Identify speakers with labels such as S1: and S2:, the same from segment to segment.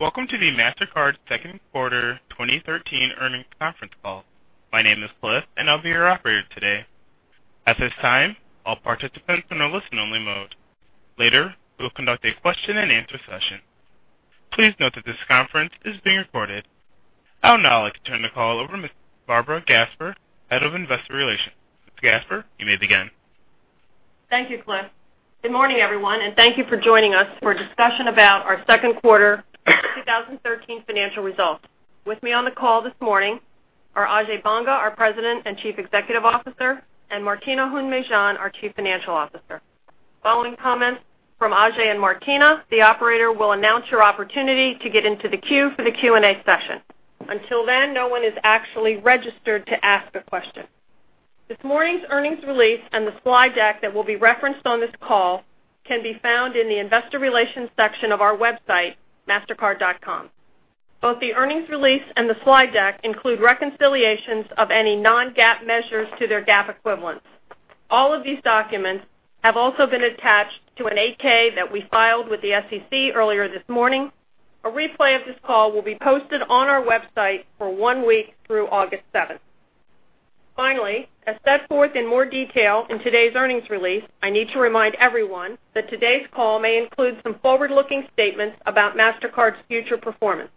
S1: Welcome to the Mastercard second quarter 2013 earnings conference call. My name is Cliff and I'll be your operator today. At this time, all participants are in a listen-only mode. Later, we will conduct a question-and-answer session. Please note that this conference is being recorded. I would now like to turn the call over to Barbara Gasper, head of investor relations. Ms. Gasper, you may begin.
S2: Thank you, Cliff. Good morning, everyone, and thank you for joining us for a discussion about our second quarter 2013 financial results. With me on the call this morning are Ajay Banga, our President and Chief Executive Officer, and Martina Hund-Mejean, our Chief Financial Officer. Following comments from Ajay and Martina, the operator will announce your opportunity to get into the queue for the Q&A session. Until then, no one is actually registered to ask a question. This morning's earnings release and the slide deck that will be referenced on this call can be found in the investor relations section of our website, mastercard.com. Both the earnings release and the slide deck include reconciliations of any non-GAAP measures to their GAAP equivalents. All of these documents have also been attached to an 8-K that we filed with the SEC earlier this morning. A replay of this call will be posted on our website for one week through August seventh. Finally, as set forth in more detail in today's earnings release, I need to remind everyone that today's call may include some forward-looking statements about Mastercard's future performance.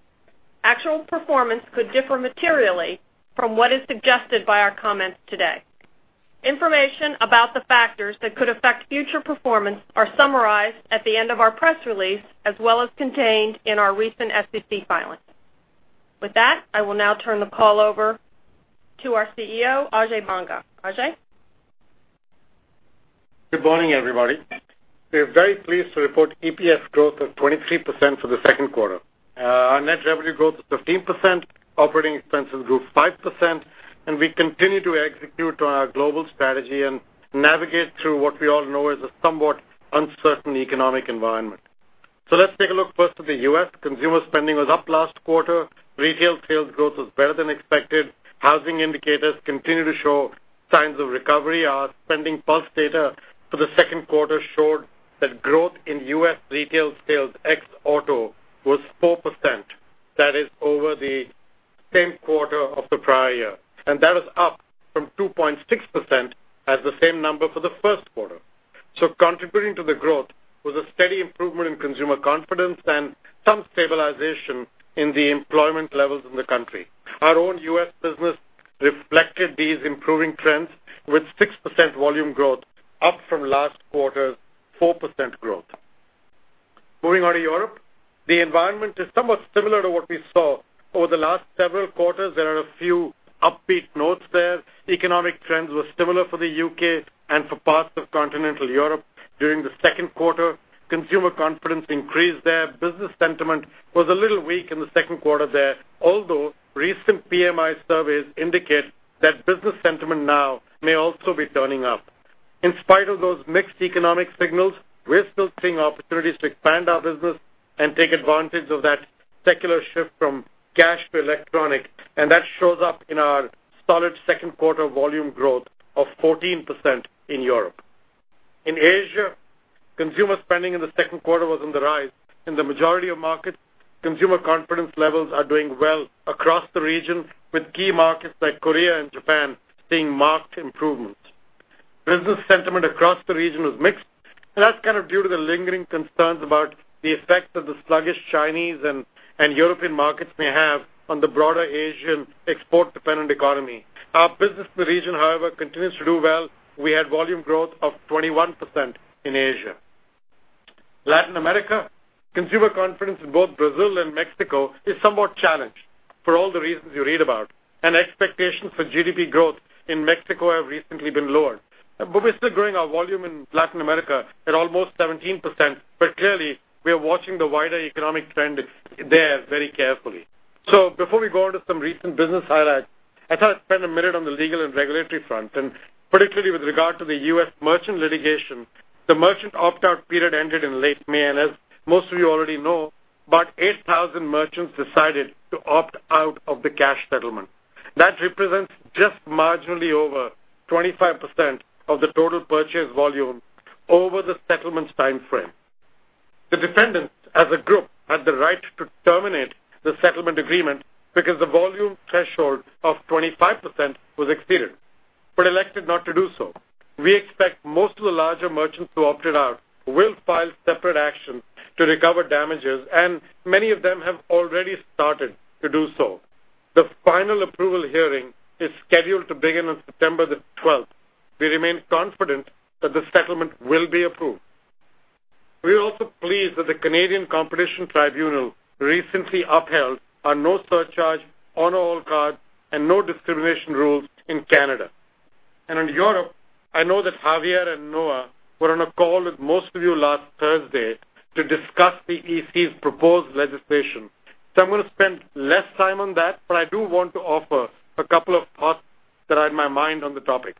S2: Actual performance could differ materially from what is suggested by our comments today. Information about the factors that could affect future performance are summarized at the end of our press release, as well as contained in our recent SEC filings. With that, I will now turn the call over to our CEO, Ajay Banga. Ajay?
S3: Good morning, everybody. We are very pleased to report EPS growth of 23% for the second quarter. Our net revenue growth is 15%, operating expenses grew 5%, and we continue to execute on our global strategy and navigate through what we all know is a somewhat uncertain economic environment. Let's take a look first at the U.S. Consumer spending was up last quarter. Retail sales growth was better than expected. Housing indicators continue to show signs of recovery. Our SpendingPulse data for the second quarter showed that growth in U.S. retail sales ex auto was 4%. That is over the same quarter of the prior year, and that is up from 2.6% as the same number for the first quarter. Contributing to the growth was a steady improvement in consumer confidence and some stabilization in the employment levels in the country. Our own U.S. business reflected these improving trends with 6% volume growth up from last quarter's 4% growth. Moving on to Europe, the environment is somewhat similar to what we saw over the last several quarters. There are a few upbeat notes there. Economic trends were similar for the U.K. and for parts of continental Europe during the second quarter. Consumer confidence increased there. Business sentiment was a little weak in the second quarter there, although recent PMI surveys indicate that business sentiment now may also be turning up. In spite of those mixed economic signals, we're still seeing opportunities to expand our business and take advantage of that secular shift from cash to electronic, and that shows up in our solid second quarter volume growth of 14% in Europe. In Asia, consumer spending in the second quarter was on the rise in the majority of markets. Consumer confidence levels are doing well across the region, with key markets like Korea and Japan seeing marked improvements. Business sentiment across the region was mixed, and that's kind of due to the lingering concerns about the effect of the sluggish Chinese and European markets may have on the broader Asian export-dependent economy. Our business in the region, however, continues to do well. We had volume growth of 21% in Asia. Latin America, consumer confidence in both Brazil and Mexico is somewhat challenged for all the reasons you read about, and expectations for GDP growth in Mexico have recently been lowered. We're still growing our volume in Latin America at almost 17%. Clearly we are watching the wider economic trend there very carefully. Before we go on to some recent business highlights, I thought I'd spend a minute on the legal and regulatory front, and particularly with regard to the U.S. merchant litigation. The merchant opt-out period ended in late May, and as most of you already know, about 8,000 merchants decided to opt out of the cash settlement. That represents just marginally over 25% of the total purchase volume over the settlement's time frame. The defendants as a group had the right to terminate the settlement agreement because the volume threshold of 25% was exceeded but elected not to do so. We expect most of the larger merchants who opted out will file separate actions to recover damages, and many of them have already started to do so. The final approval hearing is scheduled to begin on September the 12th. We remain confident that the settlement will be approved. We are also pleased that the Canadian Competition Tribunal recently upheld our no surcharge on all cards and no discrimination rules in Canada. In Europe, I know that Javier and Noah were on a call with most of you last Thursday to discuss the EC's proposed legislation. I'm going to spend less time on that, I do want to offer a couple of thoughts that are in my mind on the topic.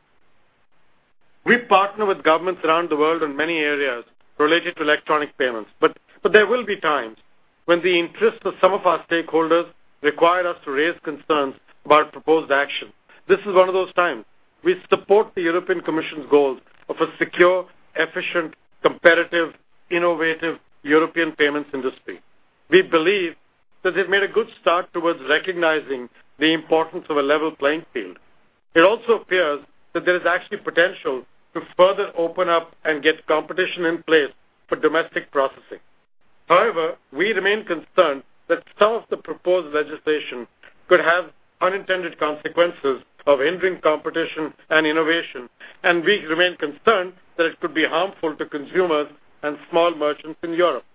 S3: We partner with governments around the world in many areas related to electronic payments, but there will be times when the interests of some of our stakeholders require us to raise concerns about proposed action. This is one of those times. We support the European Commission's goals of a secure, efficient, competitive, innovative European payments industry. We believe that they've made a good start towards recognizing the importance of a level playing field. It also appears that there is actually potential to further open up and get competition in place for domestic processing. However, we remain concerned that some of the proposed legislation could have unintended consequences of hindering competition and innovation, and we remain concerned that it could be harmful to consumers and small merchants in Europe.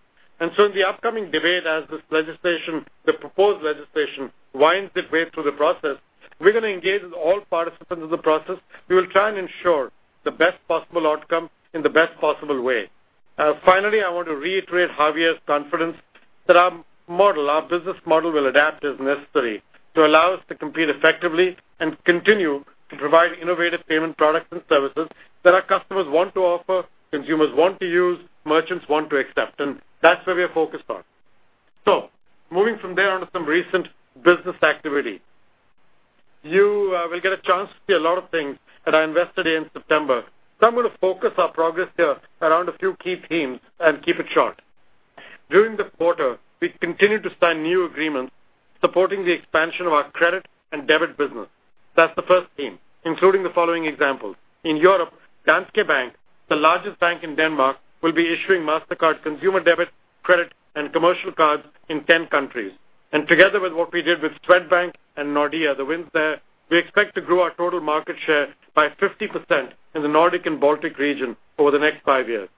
S3: In the upcoming debate, as this legislation, the proposed legislation, winds its way through the process, we're going to engage with all participants in the process. We will try and ensure the best possible outcome in the best possible way. Finally, I want to reiterate Javier's confidence that our model, our business model will adapt as necessary to allow us to compete effectively and continue to provide innovative payment products and services that our customers want to offer, consumers want to use, merchants want to accept, and that's where we are focused on. Moving from there on to some recent business activity. You will get a chance to see a lot of things that I invested in in September. I'm going to focus our progress here around a few key themes and keep it short. During the quarter, we continued to sign new agreements supporting the expansion of our credit and debit business. That's the first theme, including the following examples. In Europe, Danske Bank, the largest bank in Denmark, will be issuing Mastercard consumer debit, credit, and commercial cards in 10 countries. Together with what we did with Swedbank and Nordea, the wins there, we expect to grow our total market share by 50% in the Nordic and Baltic region over the next five years.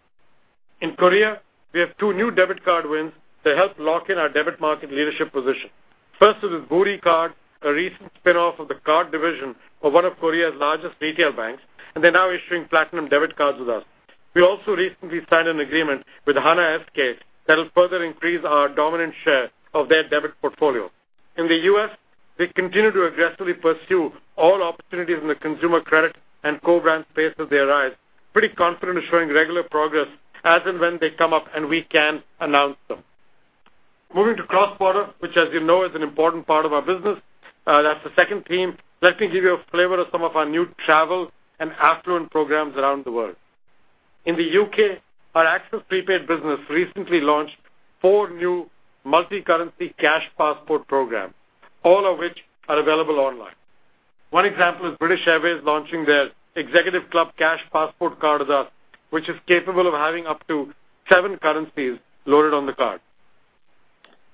S3: In Korea, we have two new debit card wins to help lock in our debit market leadership position. First is Woori Card, a recent spin-off of the card division of one of Korea's largest retail banks, and they're now issuing platinum debit cards with us. We also recently signed an agreement with Hana SK Card that'll further increase our dominant share of their debit portfolio. In the U.S., we continue to aggressively pursue all opportunities in the consumer credit and co-brand space as they arise. Pretty confident in showing regular progress as and when they come up and we can announce them. Moving to cross-border, which as you know, is an important part of our business. That's the second theme. Let me give you a flavor of some of our new travel and affluent programs around the world. In the U.K., our Access Prepaid business recently launched four new multi-currency cash passport program, all of which are available online. One example is British Airways launching their Executive Club Cash Passport card with us, which is capable of having up to seven currencies loaded on the card.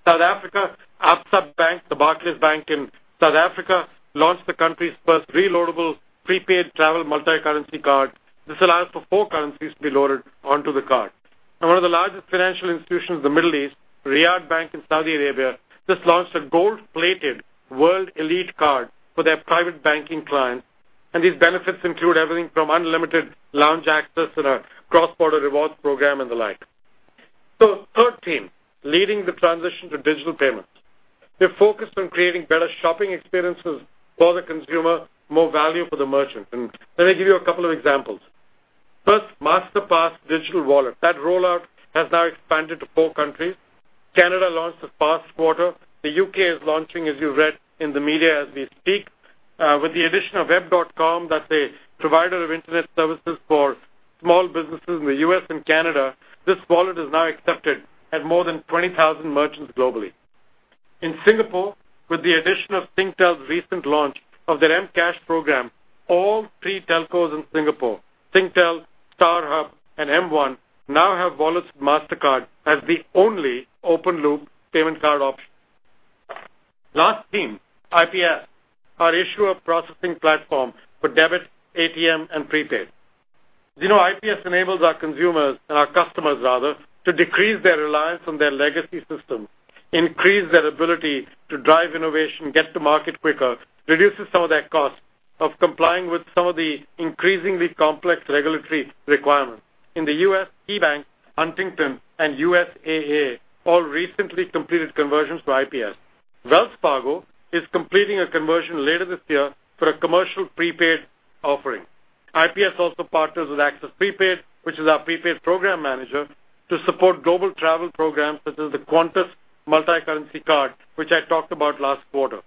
S3: South Africa, Absa Bank, the Barclays Bank in South Africa, launched the country's first reloadable prepaid travel multi-currency card. This allows for four currencies to be loaded onto the card. One of the largest financial institutions in the Middle East, Riyad Bank in Saudi Arabia, just launched a gold-plated World Elite card for their private banking clients, and these benefits include everything from unlimited lounge access to their cross-border rewards program and the like. Third theme, leading the transition to digital payments. We're focused on creating better shopping experiences for the consumer, more value for the merchant. Let me give you a couple of examples. First, Masterpass digital wallet. That rollout has now expanded to four countries. Canada launched this past quarter. The U.K. is launching, as you read in the media as we speak. With the addition of web.com, that's a provider of internet services for small businesses in the U.S. and Canada, this wallet is now accepted at more than 20,000 merchants globally. In Singapore, with the addition of Singtel's recent launch of their mCash program, all three telcos in Singapore, Singtel, StarHub, and M1 now have wallets Mastercard as the only open-loop payment card option. Last theme, IPS, our issuer processing platform for debit, ATM, and prepaid. As you know, IPS enables our consumers, our customers rather, to decrease their reliance on their legacy system, increase their ability to drive innovation, get to market quicker, reduces some of their costs of complying with some of the increasingly complex regulatory requirements. In the U.S., KeyBank, Huntington, and USAA all recently completed conversions to IPS. Wells Fargo is completing a conversion later this year for a commercial prepaid offering. IPS also partners with Access Prepaid, which is our prepaid program manager, to support global travel programs such as the Qantas multi-currency card, which I talked about last quarter.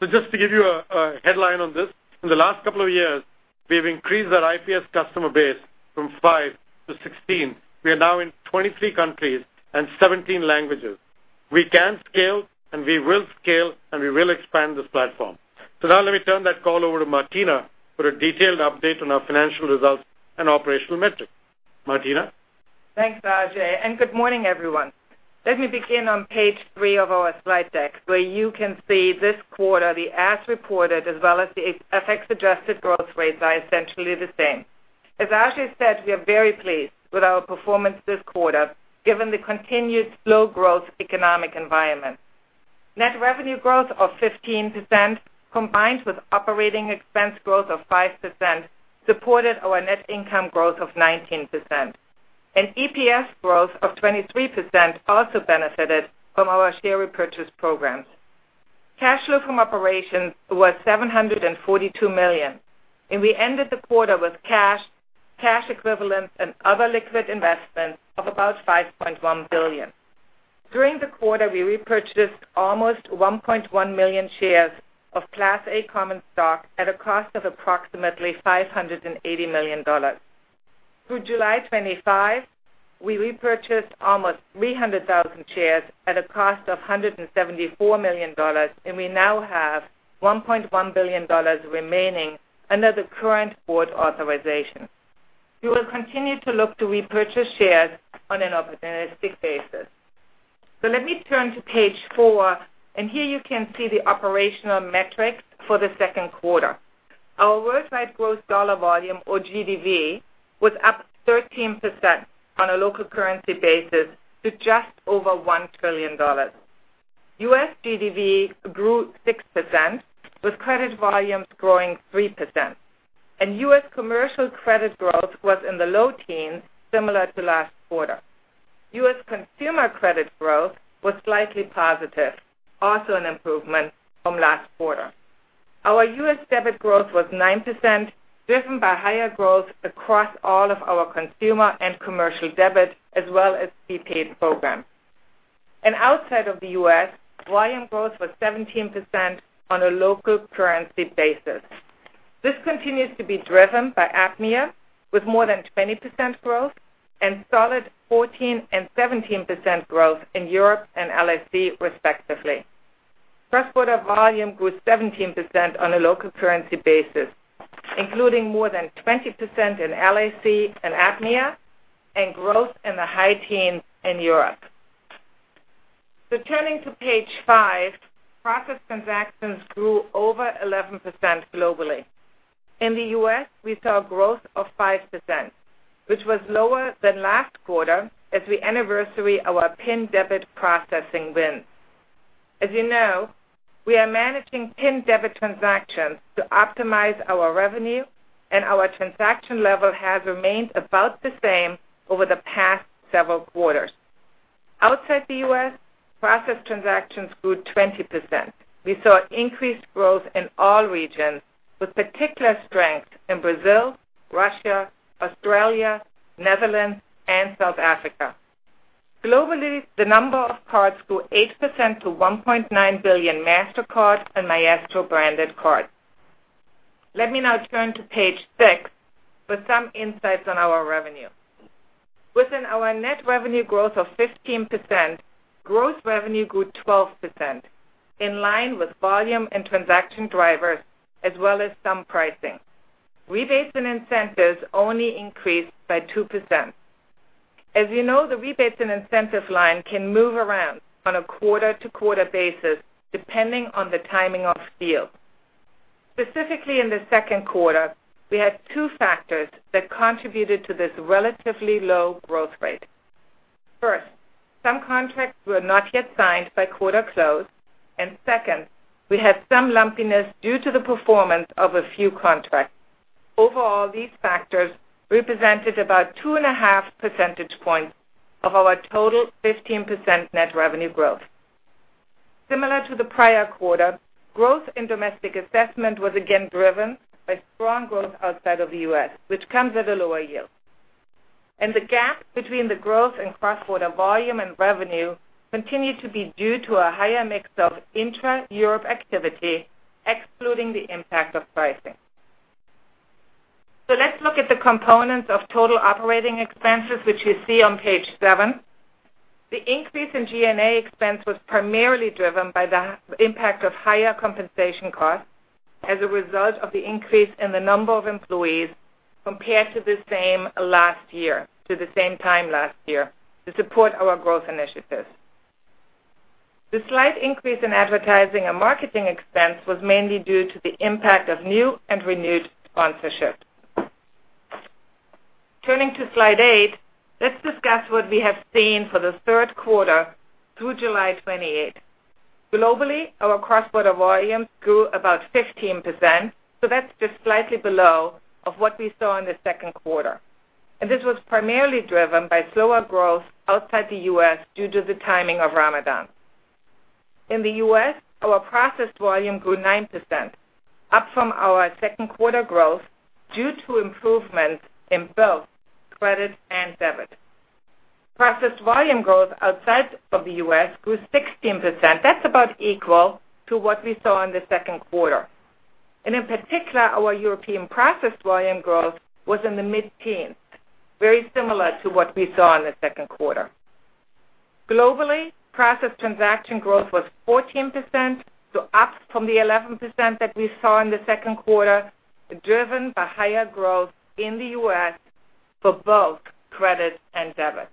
S3: Just to give you a headline on this, in the last couple of years, we've increased our IPS customer base from 5 to 16. We are now in 23 countries and 17 languages. We can scale, we will scale, and we will expand this platform. Now let me turn that call over to Martina for a detailed update on our financial results and operational metrics. Martina?
S4: Thanks, Ajay, good morning, everyone. Let me begin on page three of our slide deck, where you can see this quarter the as reported as well as the FX-adjusted growth rates are essentially the same. As Ajay said, we are very pleased with our performance this quarter, given the continued slow growth economic environment. Net revenue growth of 15% combined with operating expense growth of 5% supported our net income growth of 19%. EPS growth of 23% also benefited from our share repurchase programs. Cash flow from operations was $742 million, and we ended the quarter with cash equivalents, and other liquid investments of about $5.1 billion. During the quarter, we repurchased almost 1.1 million shares of Class A common stock at a cost of approximately $580 million. Through July 25, we repurchased almost 300,000 shares at a cost of $174 million, and we now have $1.1 billion remaining under the current board authorization. We will continue to look to repurchase shares on an opportunistic basis. Let me turn to page four, and here you can see the operational metrics for the second quarter. Our worldwide gross dollar volume, or GDV, was up 13% on a local currency basis to just over $1 trillion. U.S. GDV grew 6%, with credit volumes growing 3%. U.S. commercial credit growth was in the low teens, similar to last quarter. U.S. consumer credit growth was slightly positive, also an improvement from last quarter. Our U.S. debit growth was 9%, driven by higher growth across all of our consumer and commercial debit, as well as prepaid programs. Outside of the U.S., volume growth was 17% on a local currency basis. This continues to be driven by APMEA, with more than 20% growth and solid 14% and 17% growth in Europe and LAC, respectively. Cross-border volume grew 17% on a local currency basis, including more than 20% in LAC and APMEA and growth in the high teens in Europe. Turning to page five, process transactions grew over 11% globally. In the U.S., we saw growth of 5%, which was lower than last quarter as we anniversary our PIN debit processing wins. As you know, we are managing PIN debit transactions to optimize our revenue, and our transaction level has remained about the same over the past several quarters. Outside the U.S., processed transactions grew 20%. We saw increased growth in all regions, with particular strength in Brazil, Russia, Australia, Netherlands, and South Africa. Globally, the number of cards grew 8% to 1.9 billion Mastercard and Maestro-branded cards. Let me now turn to page six for some insights on our revenue. Within our net revenue growth of 15%, gross revenue grew 12%, in line with volume and transaction drivers as well as some pricing. Rebates and incentives only increased by 2%. As you know, the rebates and incentive line can move around on a quarter-to-quarter basis depending on the timing of deals. Specifically in the second quarter, we had two factors that contributed to this relatively low growth rate. First, some contracts were not yet signed by quarter close. Second, we had some lumpiness due to the performance of a few contracts. Overall, these factors represented about 2.5 percentage points of our total 15% net revenue growth. Similar to the prior quarter, growth in domestic assessment was again driven by strong growth outside of the U.S., which comes at a lower yield. The gap between the growth in cross-border volume and revenue continued to be due to a higher mix of intra-Europe activity, excluding the impact of pricing. Let me turn to page eight for a summary of our financial results. Let's look at the components of total operating expenses, which you see on page seven. The increase in G&A expense was primarily driven by the impact of higher compensation costs as a result of the increase in the number of employees compared to the same last year, to the same time last year, to support our growth initiatives. The slight increase in advertising and marketing expense was mainly due to the impact of new and renewed sponsorships. Turning to slide eight, let's discuss what we have seen for the third quarter through July 28th. Globally, our cross-border volumes grew about 15%, so that's just slightly below of what we saw in the second quarter. This was primarily driven by slower growth outside the U.S. due to the timing of Ramadan. In the U.S., our processed volume grew 9%, up from our second quarter growth due to improvements in both credit and debit. Processed volume growth outside of the U.S. grew 16%. That's about equal to what we saw in the second quarter. In particular, our European processed volume growth was in the mid-teens, very similar to what we saw in the second quarter. Globally, processed transaction growth was 14%, up from the 11% that we saw in the second quarter, driven by higher growth in the U.S. for both credit and debit.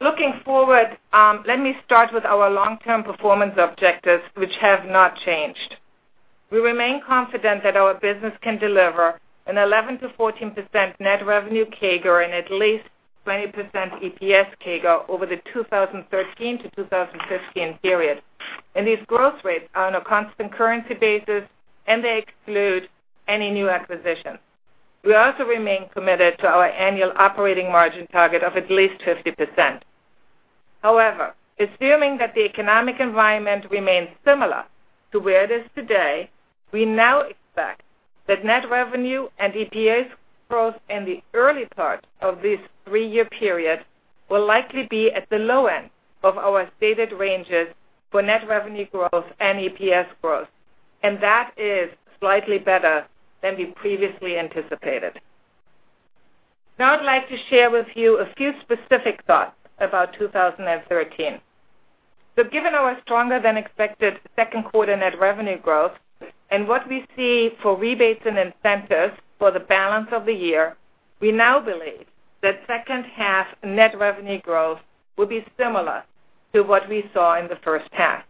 S4: Looking forward, let me start with our long-term performance objectives, which have not changed. We remain confident that our business can deliver an 11%-14% net revenue CAGR and at least 20% EPS CAGR over the 2013-2015 period. These growth rates are on a constant currency basis, and they exclude any new acquisitions. We also remain committed to our annual operating margin target of at least 50%. However, assuming that the economic environment remains similar to where it is today, we now expect that net revenue and EPS growth in the early part of this three-year period will likely be at the low end of our stated ranges for net revenue growth and EPS growth, and that is slightly better than we previously anticipated. I'd like to share with you a few specific thoughts about 2013. Given our stronger than expected second quarter net revenue growth and what we see for rebates and incentives for the balance of the year, we now believe that second half net revenue growth will be similar to what we saw in the first half.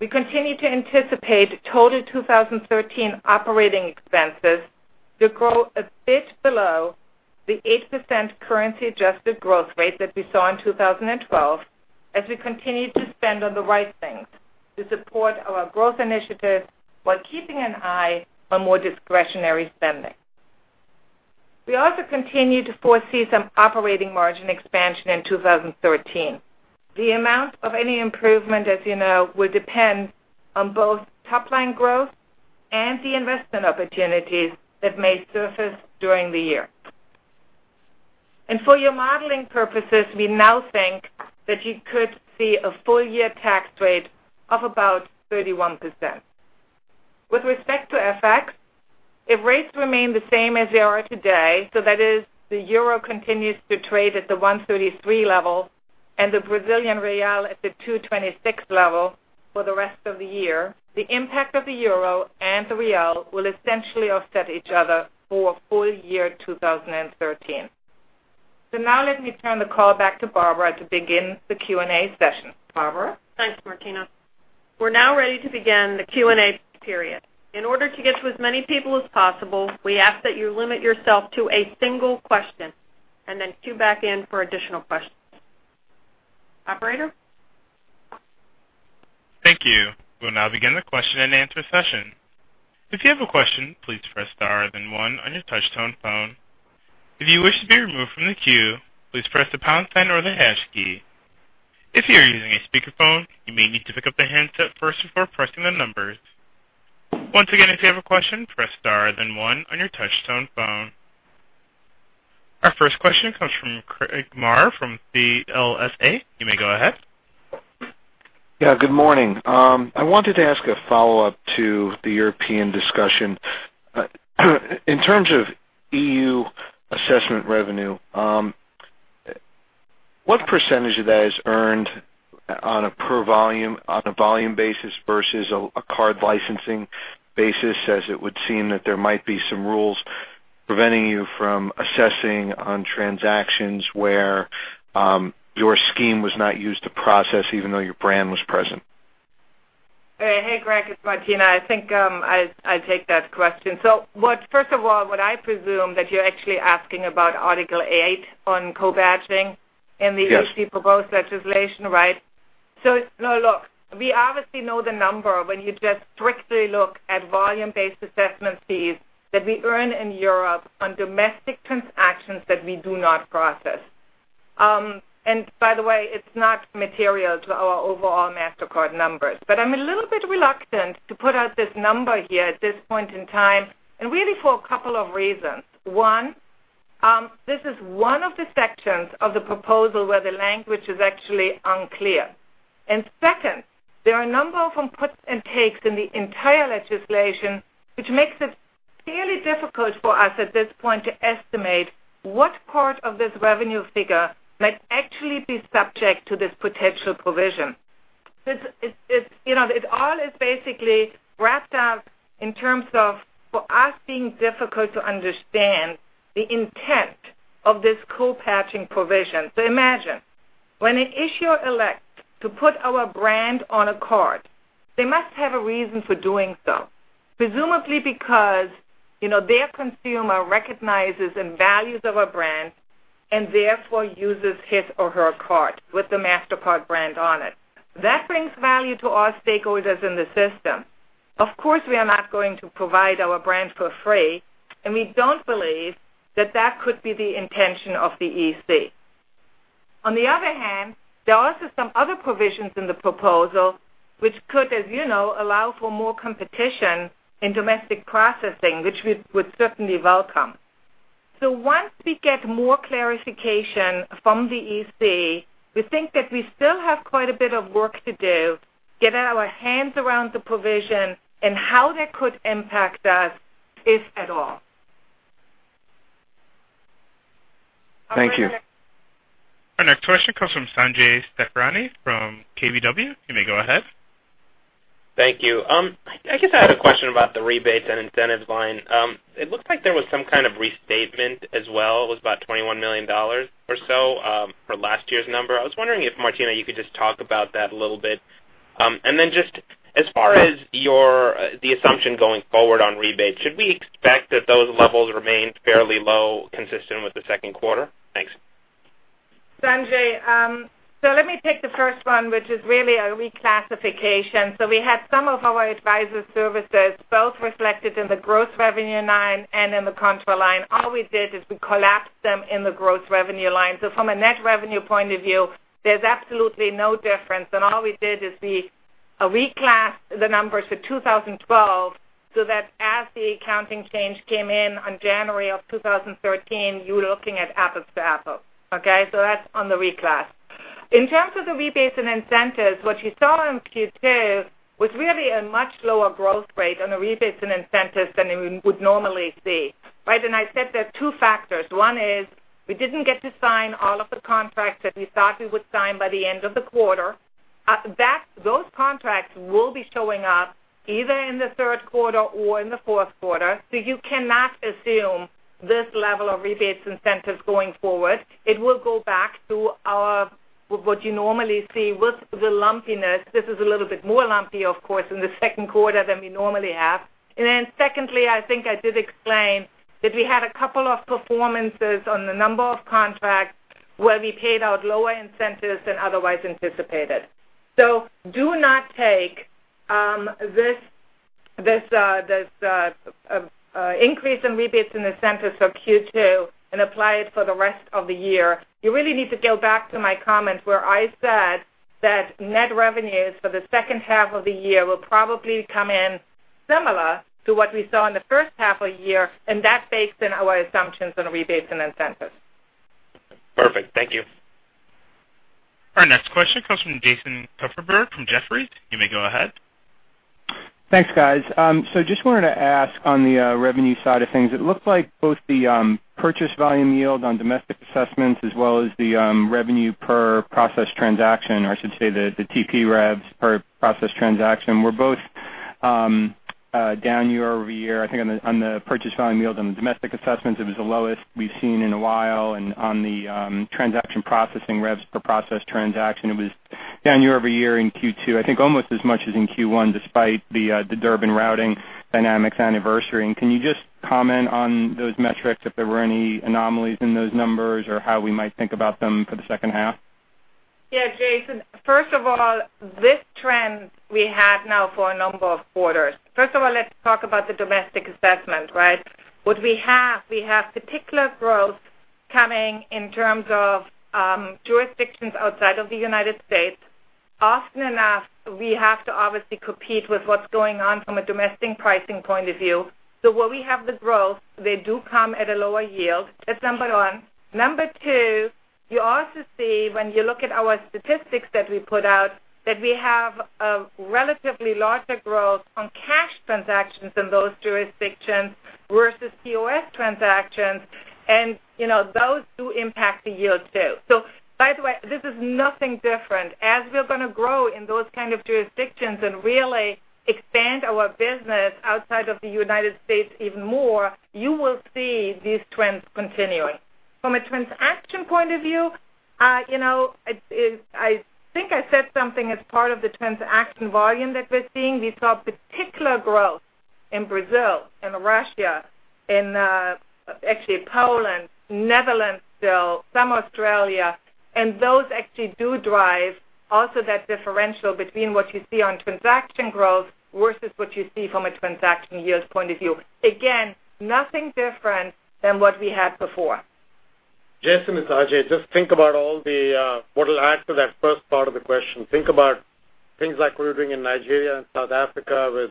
S4: We continue to anticipate total 2013 operating expenses to grow a bit below the 8% currency adjusted growth rate that we saw in 2012, as we continue to spend on the right things to support our growth initiatives while keeping an eye on more discretionary spending. We also continue to foresee some operating margin expansion in 2013. The amount of any improvement, as you know, will depend on both top-line growth and the investment opportunities that may surface during the year. For your modeling purposes, we now think that you could see a full-year tax rate of about 31%. With respect to FX, if rates remain the same as they are today, that is the euro continues to trade at the 133 level and the Brazilian real at the 226 level for the rest of the year, the impact of the euro and the real will essentially offset each other for full year 2013. Now let me turn the call back to Barbara to begin the Q&A session. Barbara?
S2: Thanks, Martina. We're now ready to begin the Q&A period. In order to get to as many people as possible, we ask that you limit yourself to a single question and then queue back in for additional questions. Operator?
S1: Thank you. We'll now begin the question and answer session. If you have a question, please press star then one on your touch-tone phone. If you wish to be removed from the queue, please press the pound sign or the hash key. If you are using a speakerphone, you may need to pick up the handset first before pressing the numbers. Once again, if you have a question, press star then one on your touch-tone phone. Our first question comes from Craig Maurer from CLSA. You may go ahead.
S5: Yeah, good morning. I wanted to ask a follow-up to the European discussion. In terms of EU assessment revenue, what % of that is earned on a volume basis versus a card licensing basis, as it would seem that there might be some rules preventing you from assessing on transactions where your scheme was not used to process even though your brand was present?
S4: Hey, Craig, it's Martina. I think I'll take that question. First of all, what I presume that you're actually asking about Article 8 on co-badging.
S5: Yes
S4: in the EC proposed legislation, right? Look, we obviously know the number when you just strictly look at volume-based assessment fees that we earn in Europe on domestic transactions that we do not process. By the way, it is not material to our overall Mastercard numbers. I am a little bit reluctant to put out this number here at this point in time, and really for a couple of reasons. One, this is one of the sections of the proposal where the language is actually unclear. Second, there are a number of inputs and takes in the entire legislation, which makes it fairly difficult for us at this point to estimate what part of this revenue figure might actually be subject to this potential provision. It all is basically wrapped up in terms of, for us, being difficult to understand the intent of this co-badging provision. Imagine, when an issuer elects to put our brand on a card, they must have a reason for doing so, presumably because their consumer recognizes and values our brand, and therefore uses his or her card with the Mastercard brand on it. That brings value to our stakeholders in the system. Of course, we are not going to provide our brand for free, and we do not believe that that could be the intention of the EC. On the other hand, there are also some other provisions in the proposal, which could, as you know, allow for more competition in domestic processing, which we would certainly welcome. Once we get more clarification from the EC, we think that we still have quite a bit of work to do to get our hands around the provision and how that could impact us, if at all.
S5: Thank you.
S1: Our next question comes from Sanjay Sakhrani from KBW. You may go ahead.
S6: Thank you. I guess I had a question about the rebates and incentives line. It looks like there was some kind of restatement as well. It was about $21 million or so for last year's number. I was wondering if, Martina, you could just talk about that a little bit. Just as far as the assumption going forward on rebates, should we expect that those levels remain fairly low, consistent with the second quarter? Thanks.
S4: Sanjay. Let me take the first one, which is really a reclassification. We had some of our advisor services both reflected in the gross revenue line and in the contra line. All we did is we collapsed them in the gross revenue line. From a net revenue point of view, there's absolutely no difference. All we did is we reclassed the numbers for 2012, so that as the accounting change came in on January of 2013, you were looking at apples to apples. Okay? That's on the reclass. In terms of the rebates and incentives, what you saw in Q2 was really a much lower growth rate on the rebates and incentives than we would normally see. I said there are two factors. One is we didn't get to sign all of the contracts that we thought we would sign by the end of the quarter. Those contracts will be showing up either in the third quarter or in the fourth quarter. You cannot assume this level of rebates incentives going forward. It will go back to what you normally see with the lumpiness. This is a little bit more lumpier, of course, in the second quarter than we normally have. Secondly, I think I did explain that we had a couple of performances on the number of contracts where we paid out lower incentives than otherwise anticipated. Do not take this increase in rebates and incentives for Q2 and apply it for the rest of the year. You really need to go back to my comment where I said that net revenues for the second half of the year will probably come in similar to what we saw in the first half of the year, and that's based on our assumptions on rebates and incentives.
S6: Perfect. Thank you.
S1: Our next question comes from Jason Kupferberg from Jefferies. You may go ahead.
S7: Thanks, guys. Just wanted to ask on the revenue side of things, it looked like both the purchase volume yield on domestic assessments as well as the revenue per process transaction, or I should say the TP revs per process transaction were both down year-over-year. I think on the purchase volume yield on the domestic assessments, it was the lowest we've seen in a while, and on the transaction processing revs per process transaction, it was down year-over-year in Q2, I think almost as much as in Q1, despite the Durbin routing dynamics anniversary. Can you just comment on those metrics if there were any anomalies in those numbers or how we might think about them for the second half?
S4: Jason. First of all, this trend we have now for a number of quarters. First of all, let's talk about the domestic assessment. What we have, we have particular growth coming in terms of jurisdictions outside of the United States. Often enough, we have to obviously compete with what's going on from a domestic pricing point of view. Where we have the growth, they do come at a lower yield. That's number 1. Number 2, you also see when you look at our statistics that we put out, that we have a relatively larger growth on cash transactions in those jurisdictions versus POS transactions, and those do impact the yield too. By the way, this is nothing different. As we're going to grow in those kinds of jurisdictions and really expand our business outside of the United States even more, you will see these trends continuing. From a transaction point of view, I think I said something as part of the transaction volume that we're seeing. We saw particular growth in Brazil, in Russia, in actually Poland, Netherlands still, some Australia, and those actually do drive also that differential between what you see on transaction growth versus what you see from a transaction yield point of view. Again, nothing different than what we had before.
S3: Jason, it's Ajay. Think about what will add to that first part of the question. Think about things like we're doing in Nigeria and South Africa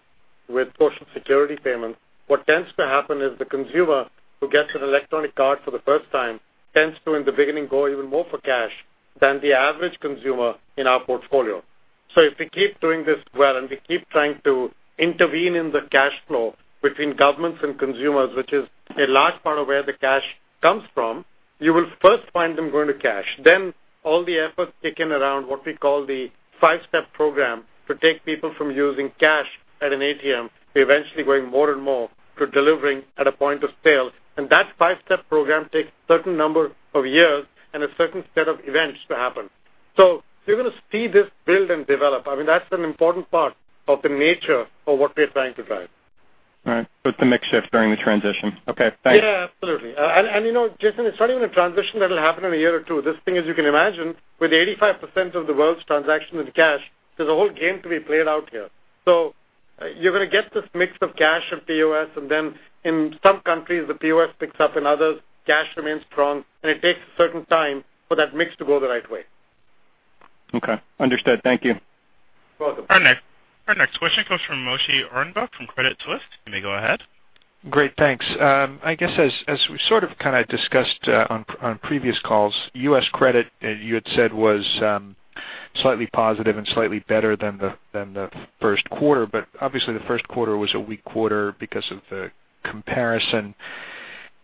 S3: with Social Security payments. What tends to happen is the consumer who gets an electronic card for the first time tends to, in the beginning, go even more for cash than the average consumer in our portfolio. If we keep doing this well, and we keep trying to intervene in the cash flow between governments and consumers, which is a large part of where the cash comes from, you will first find them going to cash, then all the efforts kick in around what we call the five-step program to take people from using cash at an ATM to eventually going more and more to delivering at a point of sale. That five-step program takes certain number of years and a certain set of events to happen. You're going to see this build and develop. That's an important part of the nature of what we're trying to drive.
S7: All right. With the mix shift during the transition. Okay, thanks.
S3: Yeah, absolutely. Jason, it's not even a transition that'll happen in a year or two. This thing, as you can imagine, with 85% of the world's transaction with cash, there's a whole game to be played out here. You're going to get this mix of cash of POS, in some countries, the POS picks up. In others, cash remains strong, and it takes a certain time for that mix to go the right way.
S7: Okay. Understood. Thank you.
S3: Welcome.
S1: Our next question comes from Moshe Orenbuch from Credit Suisse. You may go ahead.
S8: Great. Thanks. I guess as we sort of discussed on previous calls, U.S. credit, you had said, was slightly positive and slightly better than the first quarter. Obviously, the first quarter was a weak quarter because of the comparison.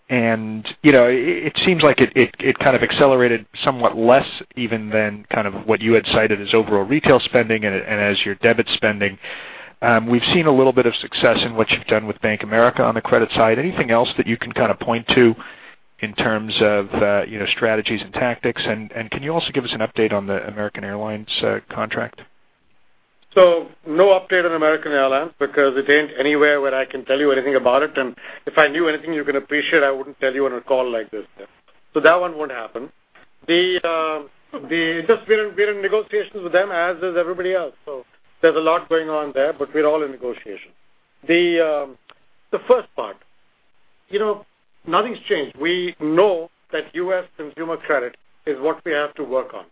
S8: It seems like it kind of accelerated somewhat less even than what you had cited as overall retail spending and as your debit spending. We've seen a little bit of success in what you've done with Bank of America on the credit side. Anything else that you can kind of point to in terms of strategies and tactics? Can you also give us an update on the American Airlines contract?
S3: No update on American Airlines because it ain't anywhere where I can tell you anything about it. If I knew anything you can appreciate, I wouldn't tell you on a call like this. That one won't happen. We're in negotiations with them as is everybody else. There's a lot going on there, we're all in negotiation. The first part. Nothing's changed. We know that U.S. consumer credit is what we have to work on.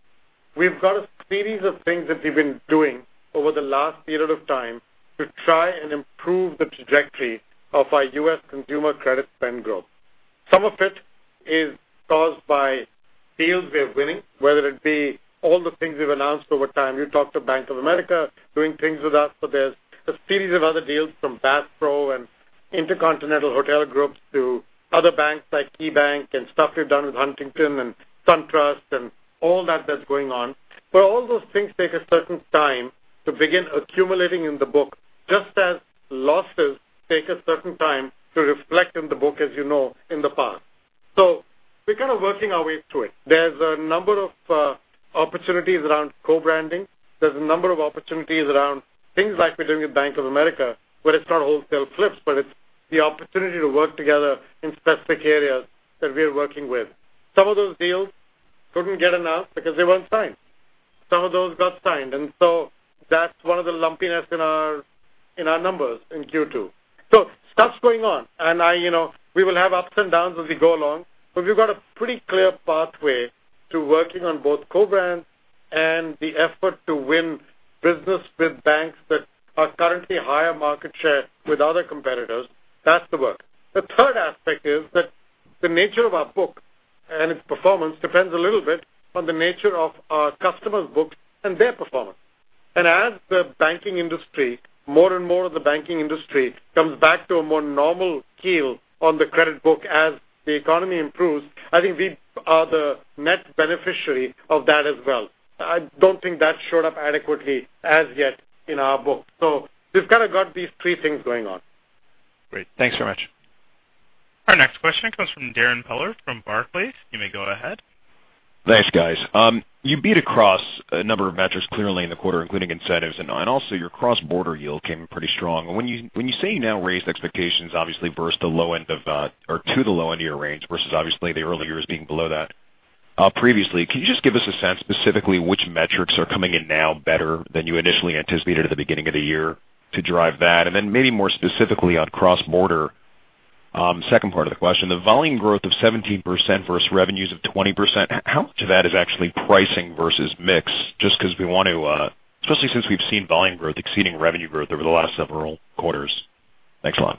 S3: We've got a series of things that we've been doing over the last period of time to try and improve the trajectory of our U.S. consumer credit spend growth. Some of it is caused by deals we are winning, whether it be all the things we've announced over time. You talked to Bank of America doing things with us, there's a series of other deals from Bass Pro and InterContinental Hotels Group to other banks like KeyBank and stuff we've done with Huntington and SunTrust and all that that's going on. All those things take a certain time to begin accumulating in the book, just as losses take a certain time to reflect in the book, as you know, in the past. We're kind of working our way through it. There's a number of opportunities around co-branding. There's a number of opportunities around things like we're doing with Bank of America, where it's not wholesale flips, but it's the opportunity to work together in specific areas that we are working with. Some of those deals couldn't get announced because they weren't signed. Some of those got signed, that's one of the lumpiness in our numbers in Q2. Stuff's going on, we will have ups and downs as we go along, we've got a pretty clear pathway to working on both co-brands and the effort to win business with banks that are currently higher market share with other competitors. That's the work. The third aspect is that the nature of our book and its performance depends a little bit on the nature of our customers' books and their performance. As more and more of the banking industry comes back to a more normal keel on the credit book as the economy improves, I think we are the net beneficiary of that as well. I don't think that showed up adequately as yet in our book. We've kind of got these three things going on.
S8: Great. Thanks very much.
S1: Our next question comes from Darrin Peller from Barclays. You may go ahead.
S9: Thanks, guys. You beat across a number of metrics clearly in the quarter, including incentives, and also your cross-border yield came in pretty strong. Then maybe more specifically on cross-border, second part of the question, the volume growth of 17% versus revenues of 20%, how much of that is actually pricing versus mix? Just because especially since we've seen volume growth exceeding revenue growth over the last several quarters. Thanks a lot.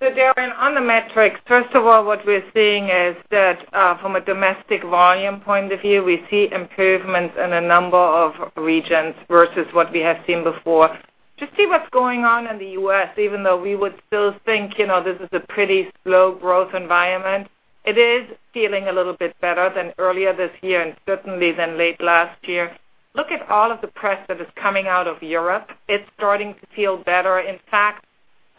S4: Darrin, on the metrics, first of all, what we're seeing is that from a domestic volume point of view, we see improvements in a number of regions versus what we have seen before. To see what's going on in the U.S., even though we would still think this is a pretty slow growth environment, it is feeling a little bit better than earlier this year and certainly than late last year. Look at all of the press that is coming out of Europe. It's starting to feel better. In fact,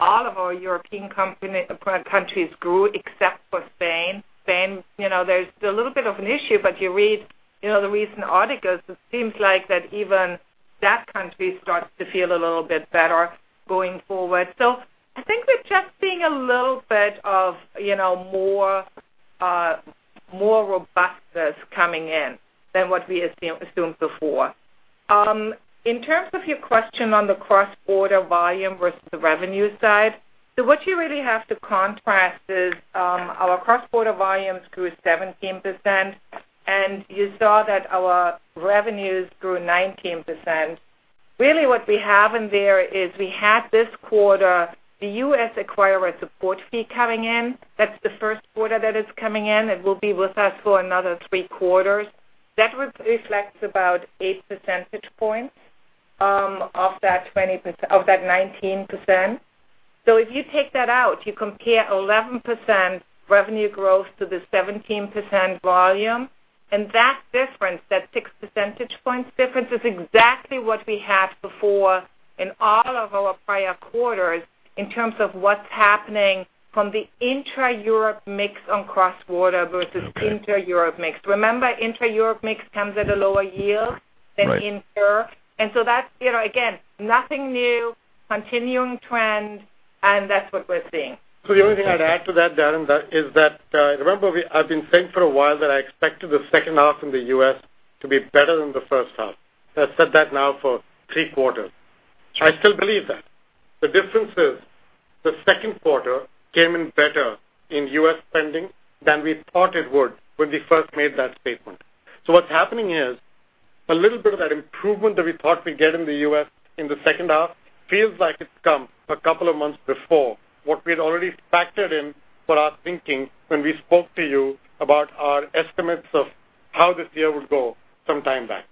S4: all of our European countries grew except for Spain. Spain, there's a little bit of an issue, but you read the recent articles, it seems like that even that country starts to feel a little bit better going forward. I think we're just seeing a little bit of more robustness coming in than what we assumed before. In terms of your question on the cross-border volume versus the revenue side, what you really have to contrast is our cross-border volumes grew 17%, and you saw that our revenues grew 19%. Really what we have in there is we had this quarter the U.S. acquirer support fee coming in. That's the first quarter that it's coming in. It will be with us for another three quarters. That reflects about eight percentage points of that 19%. If you take that out, you compare 11% revenue growth to the 17% volume, and that difference, that six percentage points difference, is exactly what we had before in all of our prior quarters in terms of what's happening from the intra-Europe mix on cross-border versus inter-Europe mix. Remember, intra-Europe mix comes at a lower yield than inter.
S9: Right.
S4: That's again, nothing new, continuing trend, and that's what we're seeing.
S3: The only thing I'd add to that, Darrin, is that, remember I've been saying for a while that I expected the second half in the U.S. to be better than the first half. I said that now for three quarters. I still believe that. The difference is the second quarter came in better in U.S. spending than we thought it would when we first made that statement. What's happening is a little bit of that improvement that we thought we'd get in the U.S. in the second half feels like it's come a couple of months before what we had already factored in for our thinking when we spoke to you about our estimates of how this year would go some time back.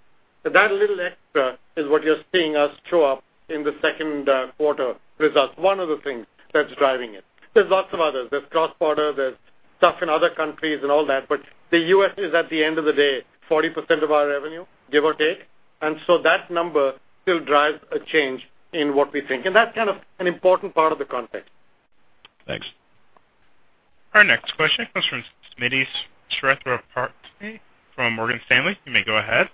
S3: That little extra is what you're seeing us show up in the second quarter results. One of the things that's driving it. There's lots of others. There's cross-border, there's stuff in other countries and all that, but the U.S. is, at the end of the day, 40% of our revenue, give or take. That number still drives a change in what we think. That's kind of an important part of the context.
S9: Thanks.
S1: Our next question comes from Smittipon Srethapramote from Morgan Stanley. You may go ahead.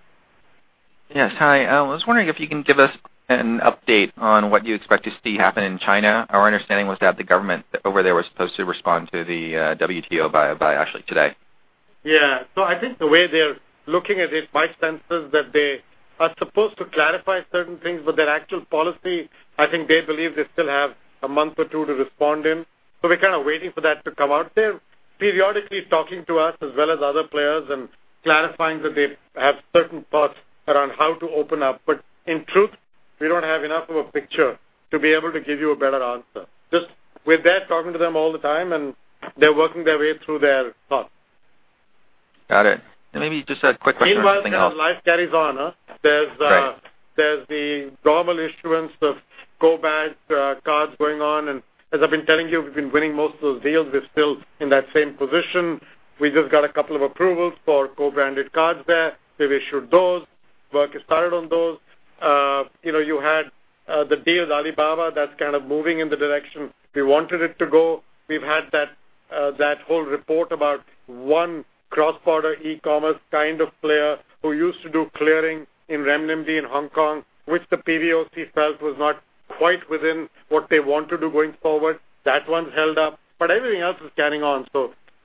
S10: Yes. Hi. I was wondering if you can give us an update on what you expect to see happen in China. Our understanding was that the government over there was supposed to respond to the WTO by actually today.
S3: Yeah. I think the way they're looking at it, my sense is that they are supposed to clarify certain things, but their actual policy, I think they believe they still have a month or two to respond in. We're kind of waiting for that to come out. They're periodically talking to us as well as other players and clarifying that they have certain thoughts around how to open up. In truth, we don't have enough of a picture to be able to give you a better answer. Just with that, talking to them all the time, and they're working their way through their thoughts.
S10: Got it. Maybe just a quick question on something else.
S3: Meanwhile, life carries on.
S10: Right.
S3: There's the normal issuance of co-brand cards going on, and as I've been telling you, we've been winning most of those deals. We're still in that same position. We just got a couple of approvals for co-branded cards there. We've issued those. Work has started on those. You had the deal with Alibaba that's kind of moving in the direction we wanted it to go. We've had that whole report about one cross-border e-commerce kind of player who used to do clearing in renminbi in Hong Kong, which the PBOC felt was not quite within what they want to do going forward. That one's held up, but everything else is carrying on.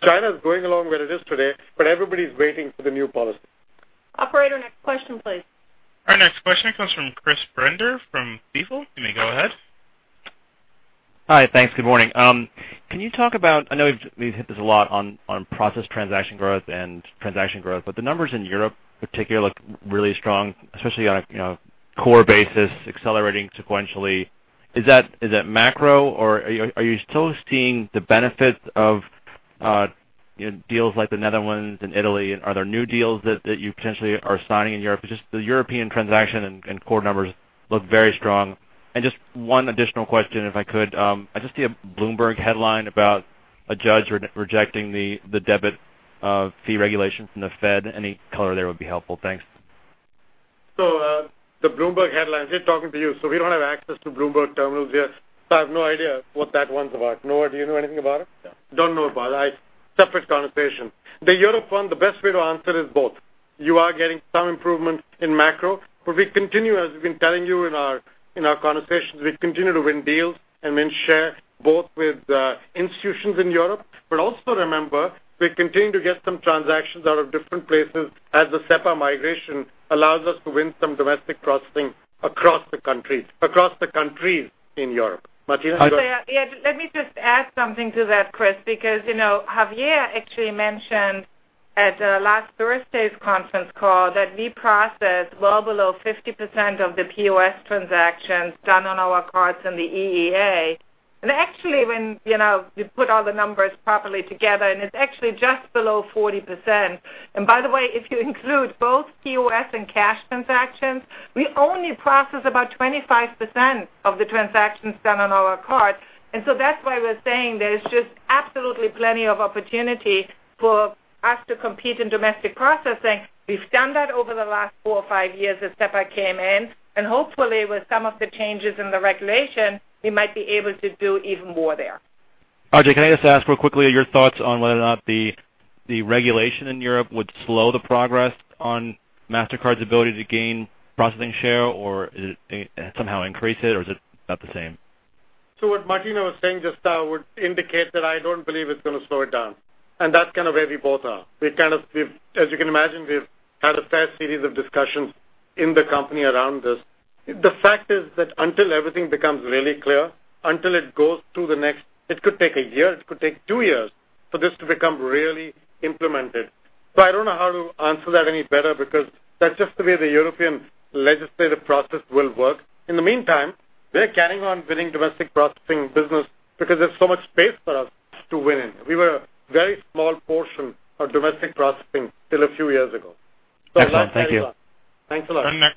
S3: China's going along where it is today, but everybody's waiting for the new policy.
S2: Operator, next question, please.
S1: Our next question comes from Chris Brendler from Stifel. You may go ahead.
S11: Hi. Thanks. Good morning. Can you talk about, I know we've hit this a lot on processed transaction growth and transaction growth, but the numbers in Europe particularly look really strong, especially on a core basis, accelerating sequentially. Is that macro, or are you still seeing the benefits of deals like the Netherlands and Italy? Are there new deals that you potentially are signing in Europe? Just the European transaction and core numbers look very strong. Just one additional question, if I could. I just see a Bloomberg headline about a judge rejecting the debit fee regulation from the Fed. Any color there would be helpful. Thanks.
S3: The Bloomberg headlines, we are talking to you. We don't have access to Bloomberg terminals here. I have no idea what that one's about. Noah, do you know anything about it?
S11: No.
S3: Don't know about it. Separate conversation. The Europe one, the best way to answer is both. You are getting some improvement in macro, but we continue, as we've been telling you in our conversations, we continue to win deals and win share both with institutions in Europe. Also remember, we continue to get some transactions out of different places as the SEPA migration allows us to win some domestic processing across the countries in Europe. Martina, you want to-
S4: Let me just add something to that, Chris, because Javier actually mentioned at last Thursday's conference call that we process well below 50% of the POS transactions done on our cards in the EEA. Actually, when you put all the numbers properly together, it's actually just below 40%. By the way, if you include both POS and cash transactions, we only process about 25% of the transactions done on our cards. That's why we are saying there's just absolutely plenty of opportunity for us to compete in domestic processing. We've done that over the last four or five years as SEPA came in, and hopefully with some of the changes in the regulation, we might be able to do even more there.
S11: Ajay, can I just ask real quickly your thoughts on whether or not the regulation in Europe would slow the progress on Mastercard's ability to gain processing share, or somehow increase it, or is it about the same?
S3: What Martina was saying just now would indicate that I don't believe it's going to slow it down. That's kind of where we both are. As you can imagine, we've had a fair series of discussions in the company around this. The fact is that until everything becomes really clear, until it goes through the next, it could take a year, it could take two years for this to become really implemented. I don't know how to answer that any better because that's just the way the European legislative process will work. In the meantime, we're carrying on winning domestic processing business because there's so much space for us to win in. We were a very small portion of domestic processing till a few years ago.
S11: Excellent. Thank you.
S3: Thanks a lot.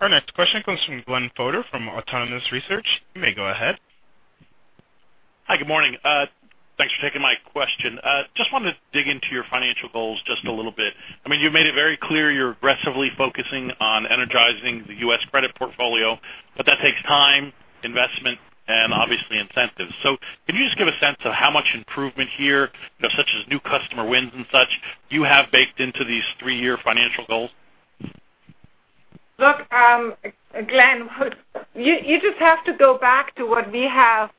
S1: Our next question comes from Glenn Fodor from Autonomous Research. You may go ahead.
S12: Hi. Good morning. Thanks for taking my question. Just wanted to dig into your financial goals just a little bit. You've made it very clear you're aggressively focusing on energizing the U.S. credit portfolio, that takes time, investment, and obviously incentives. Can you just give a sense of how much improvement here, such as new customer wins and such, do you have baked into these three-year financial goals?
S4: Look, Glenn, you just have to go back to what we have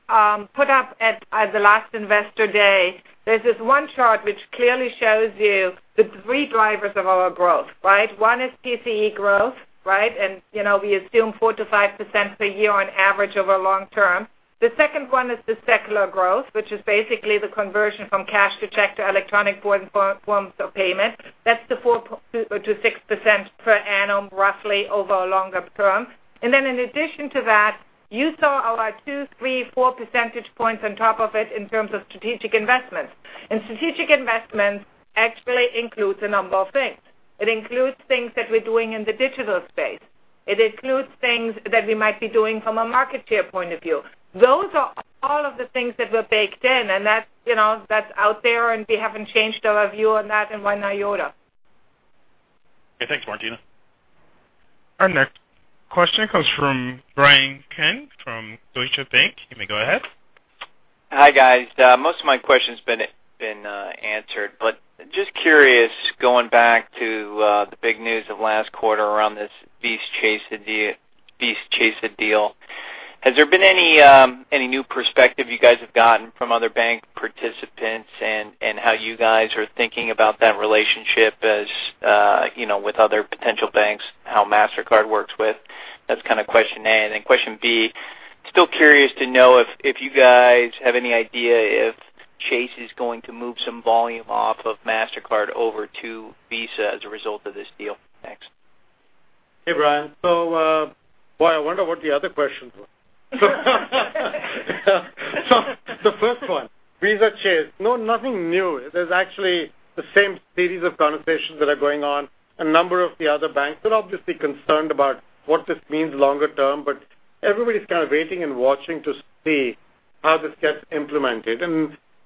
S4: put up at the last Investor Day. There's this one chart which clearly shows you the three drivers of our growth, right? One is PCE growth, right? We assume 4%-5% per year on average over long term. The second one is the secular growth, which is basically the conversion from cash to check to electronic forms of payment. That's the 4%-6% per annum roughly over a longer term. Then in addition to that, you saw our two, three, four percentage points on top of it in terms of strategic investments. Strategic investments actually includes a number of things. It includes things that we're doing in the digital space. It includes things that we might be doing from a market share point of view. Those are all of the things that were baked in, and that's out there, and we haven't changed our view on that in one iota.
S12: Okay. Thanks, Martina.
S1: Our next question comes from Bryan Keane from Deutsche Bank. You may go ahead.
S13: Hi, guys. Most of my question's been answered, but just curious, going back The big news of last quarter around this Visa Chase deal. Has there been any new perspective you guys have gotten from other bank participants and how you guys are thinking about that relationship as with other potential banks, how Mastercard works with? That's question A. Question B, still curious to know if you guys have any idea if Chase is going to move some volume off of Mastercard over to Visa as a result of this deal. Thanks.
S3: Hey, Bryan. Boy, I wonder what the other questions were. The first one, Visa Chase. No, nothing new. There's actually the same series of conversations that are going on. A number of the other banks are obviously concerned about what this means longer term, but everybody's kind of waiting and watching to see how this gets implemented.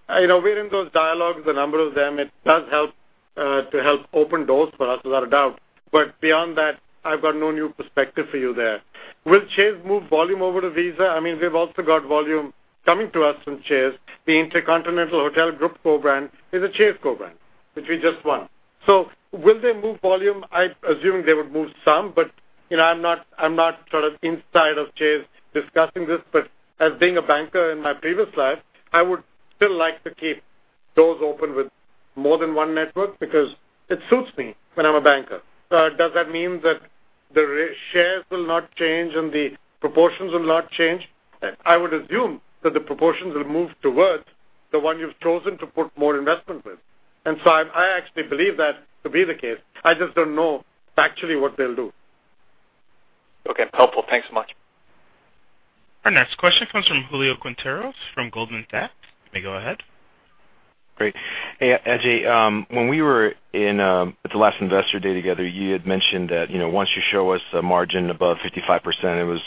S3: We're in those dialogues, a number of them. It does help to help open doors for us, without a doubt. Beyond that, I've got no new perspective for you there. Will Chase move volume over to Visa? They've also got volume coming to us from Chase. The InterContinental Hotels Group co-brand is a Chase co-brand, which we just won. Will they move volume? I assume they would move some, but I'm not inside of Chase discussing this. As being a banker in my previous life, I would still like to keep doors open with more than one network because it suits me when I'm a banker. Does that mean that the shares will not change and the proportions will not change? I would assume that the proportions will move towards the one you've chosen to put more investment with. I actually believe that to be the case. I just don't know factually what they'll do.
S13: Okay, helpful. Thanks so much.
S1: Our next question comes from Julio Quinteros from Goldman Sachs. You may go ahead.
S14: Great. Hey, Ajay. When we were in at the last Investor Day together, you had mentioned that once you show us a margin above 55%, it's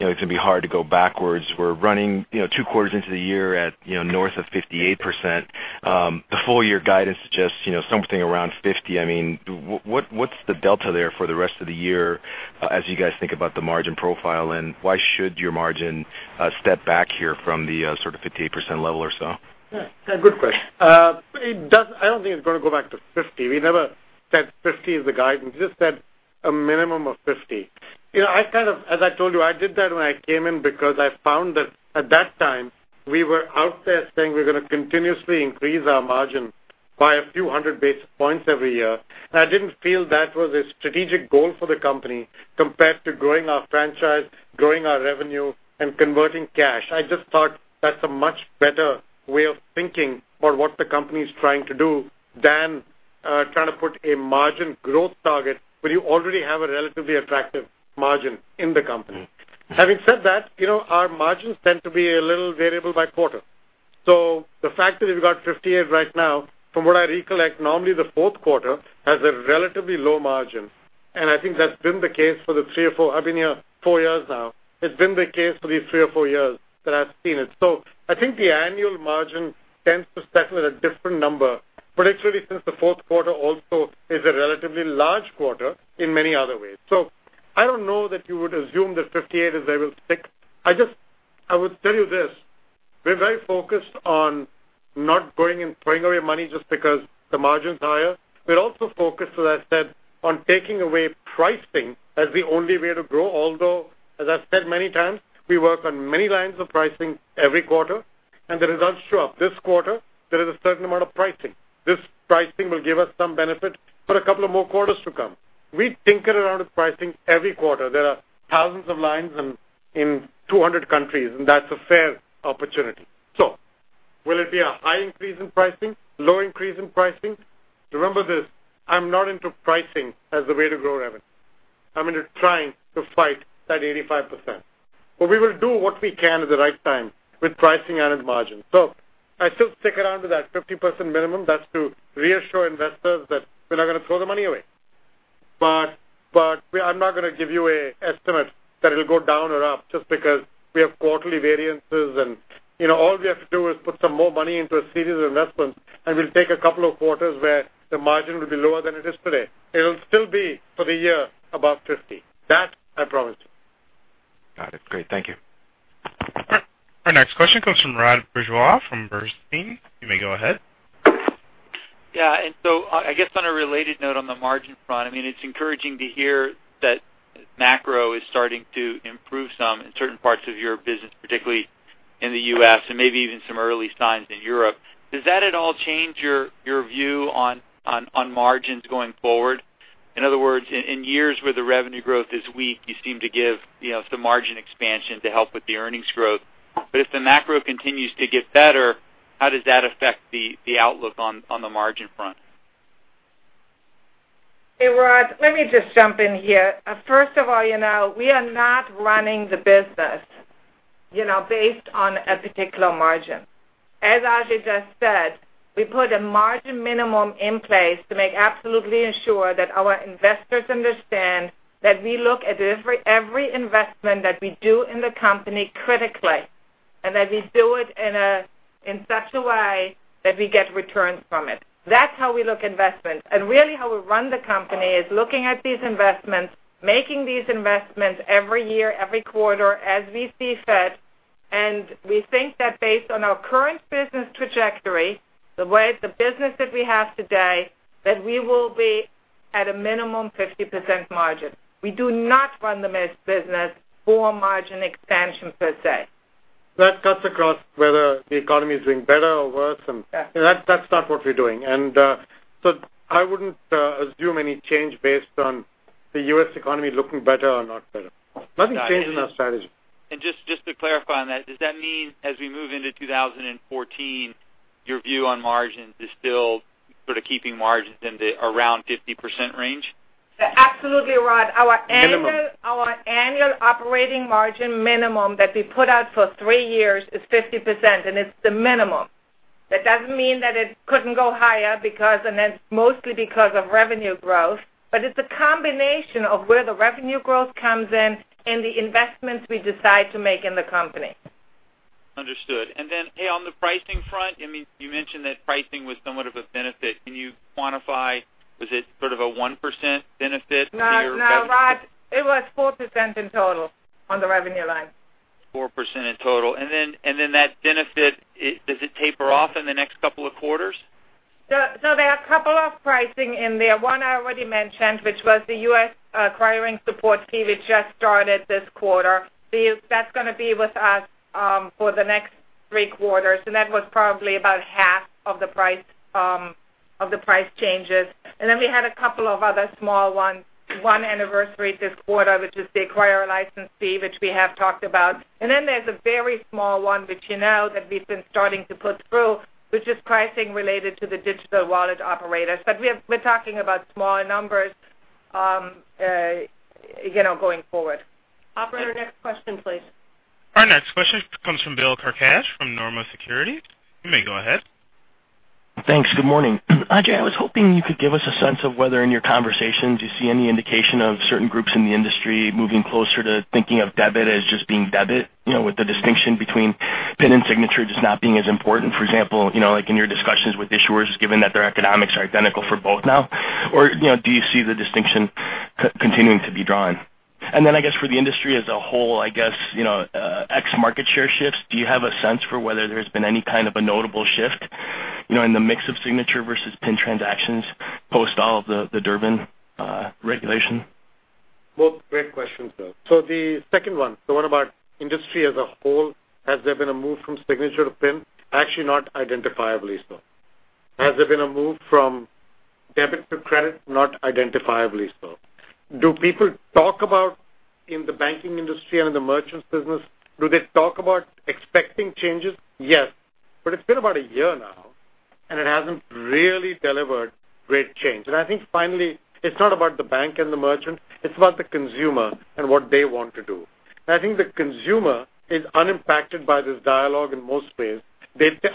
S14: going to be hard to go backwards. We're running two quarters into the year at north of 58%. The full year guidance suggests something around 50%. What's the delta there for the rest of the year as you guys think about the margin profile, and why should your margin step back here from the sort of 58% level or so?
S3: Yeah, good question. I don't think it's going to go back to 50%. We never said 50% is the guidance, we just said a minimum of 50%. As I told you, I did that when I came in because I found that at that time, we were out there saying we're going to continuously increase our margin by a few hundred basis points every year. I didn't feel that was a strategic goal for the company compared to growing our franchise, growing our revenue, and converting cash. I just thought that's a much better way of thinking about what the company's trying to do than trying to put a margin growth target when you already have a relatively attractive margin in the company. Having said that, our margins tend to be a little variable by quarter. The fact that we've got 58% right now, from what I recollect, normally the fourth quarter has a relatively low margin, and I think that's been the case for the three or four years. I've been here four years now. It's been the case for these three or four years that I've seen it. I think the annual margin tends to settle at a different number, particularly since the fourth quarter also is a relatively large quarter in many other ways. I don't know that you would assume that 58% is able to stick. I would tell you this, we're very focused on not going and throwing away money just because the margin's higher. We're also focused, as I said, on taking away pricing as the only way to grow. As I've said many times, we work on many lines of pricing every quarter, and the results show up. This quarter, there is a certain amount of pricing. This pricing will give us some benefit for a couple of more quarters to come. We tinker around with pricing every quarter. There are thousands of lines in 200 countries, and that's a fair opportunity. Will it be a high increase in pricing? Low increase in pricing? Remember this, I'm not into pricing as the way to grow revenue. I'm into trying to fight that 85%. We will do what we can at the right time with pricing and margin. I still stick around to that 50% minimum. That's to reassure investors that we're not going to throw the money away. I'm not going to give you an estimate that it'll go down or up just because we have quarterly variances. All we have to do is put some more money into a series of investments, and we'll take a couple of quarters where the margin will be lower than it is today. It'll still be for the year above 50%. That I promise you.
S14: Got it. Great. Thank you.
S1: Our next question comes from Rod Bourgeois from Bernstein. You may go ahead.
S15: Yeah. So I guess on a related note on the margin front, it's encouraging to hear that macro is starting to improve some in certain parts of your business, particularly in the U.S. and maybe even some early signs in Europe. Does that at all change your view on margins going forward? In other words, in years where the revenue growth is weak, you seem to give some margin expansion to help with the earnings growth. If the macro continues to get better, how does that affect the outlook on the margin front?
S4: Hey, Rod, let me just jump in here. First of all, we are not running the business based on a particular margin. As Ajay just said, we put a margin minimum in place to make absolutely sure that our investors understand that we look at every investment that we do in the company critically, and that we do it in such a way that we get returns from it. That's how we look at investments. Really how we run the company is looking at these investments, making these investments every year, every quarter as we see fit. We think that based on our current business trajectory, the way the business that we have today, that we will be at a minimum 50% margin. We do not run the business for margin expansion per se.
S3: That cuts across whether the economy is doing better or worse.
S4: Yeah
S3: That's not what we're doing. I wouldn't assume any change based on the U.S. economy looking better or not better. Nothing changing our strategy.
S15: Just to clarify on that, does that mean as we move into 2014, your view on margins is still sort of keeping margins in the around 50% range?
S4: You're absolutely right. Our annual-
S15: Minimum.
S4: Our annual operating margin minimum that we put out for three years is 50%. It's the minimum. That doesn't mean that it couldn't go higher, mostly because of revenue growth, but it's a combination of where the revenue growth comes in and the investments we decide to make in the company.
S15: Understood. Hey, on the pricing front, you mentioned that pricing was somewhat of a benefit. Can you quantify, was it sort of a 1% benefit to your revenue?
S4: No, Rod. It was 4% in total on the revenue line.
S15: 4% in total. Does that benefit taper off in the next couple of quarters?
S4: There are a couple of pricing in there. One I already mentioned, which was the U.S. acquiring support fee, which just started this quarter. That's going to be with us for the next three quarters, and that was probably about half of the price changes. We had a couple of other small ones. One anniversary this quarter, which is the acquirer license fee, which we have talked about. There's a very small one, which you know, that we've been starting to put through, which is pricing related to the digital wallet operators. We're talking about small numbers going forward. Operator, next question, please.
S1: Our next question comes from Bill Carcache from Nomura Securities. You may go ahead.
S16: Thanks, good morning. Ajay, I was hoping you could give us a sense of whether in your conversations you see any indication of certain groups in the industry moving closer to thinking of debit as just being debit, with the distinction between PIN and signature just not being as important. For example, like in your discussions with issuers, given that their economics are identical for both now, or do you see the distinction continuing to be drawn? I guess for the industry as a whole, I guess ex-market share shifts, do you have a sense for whether there's been any kind of a notable shift in the mix of signature versus PIN transactions post all of the Durbin regulation?
S3: Well, great questions, Bill. The second one, the one about industry as a whole, has there been a move from signature to PIN? Actually not identifiably so. Has there been a move from debit to credit? Not identifiably so. Do people talk about, in the banking industry and in the merchants business, do they talk about expecting changes? Yes. It's been about a year now, and it hasn't really delivered great change. I think finally, it's not about the bank and the merchant, it's about the consumer and what they want to do. I think the consumer is unimpacted by this dialogue in most ways.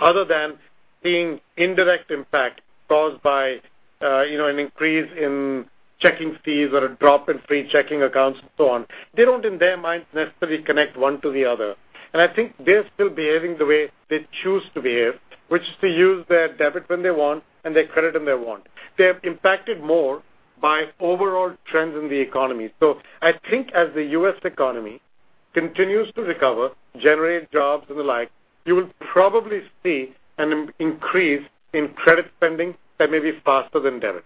S3: Other than seeing indirect impact caused by an increase in checking fees or a drop in free checking accounts and so on. They don't in their minds necessarily connect one to the other. I think they're still behaving the way they choose to behave, which is to use their debit when they want and their credit when they want. They're impacted more by overall trends in the economy. I think as the U.S. economy continues to recover, generate jobs and the like, you will probably see an increase in credit spending that may be faster than debit.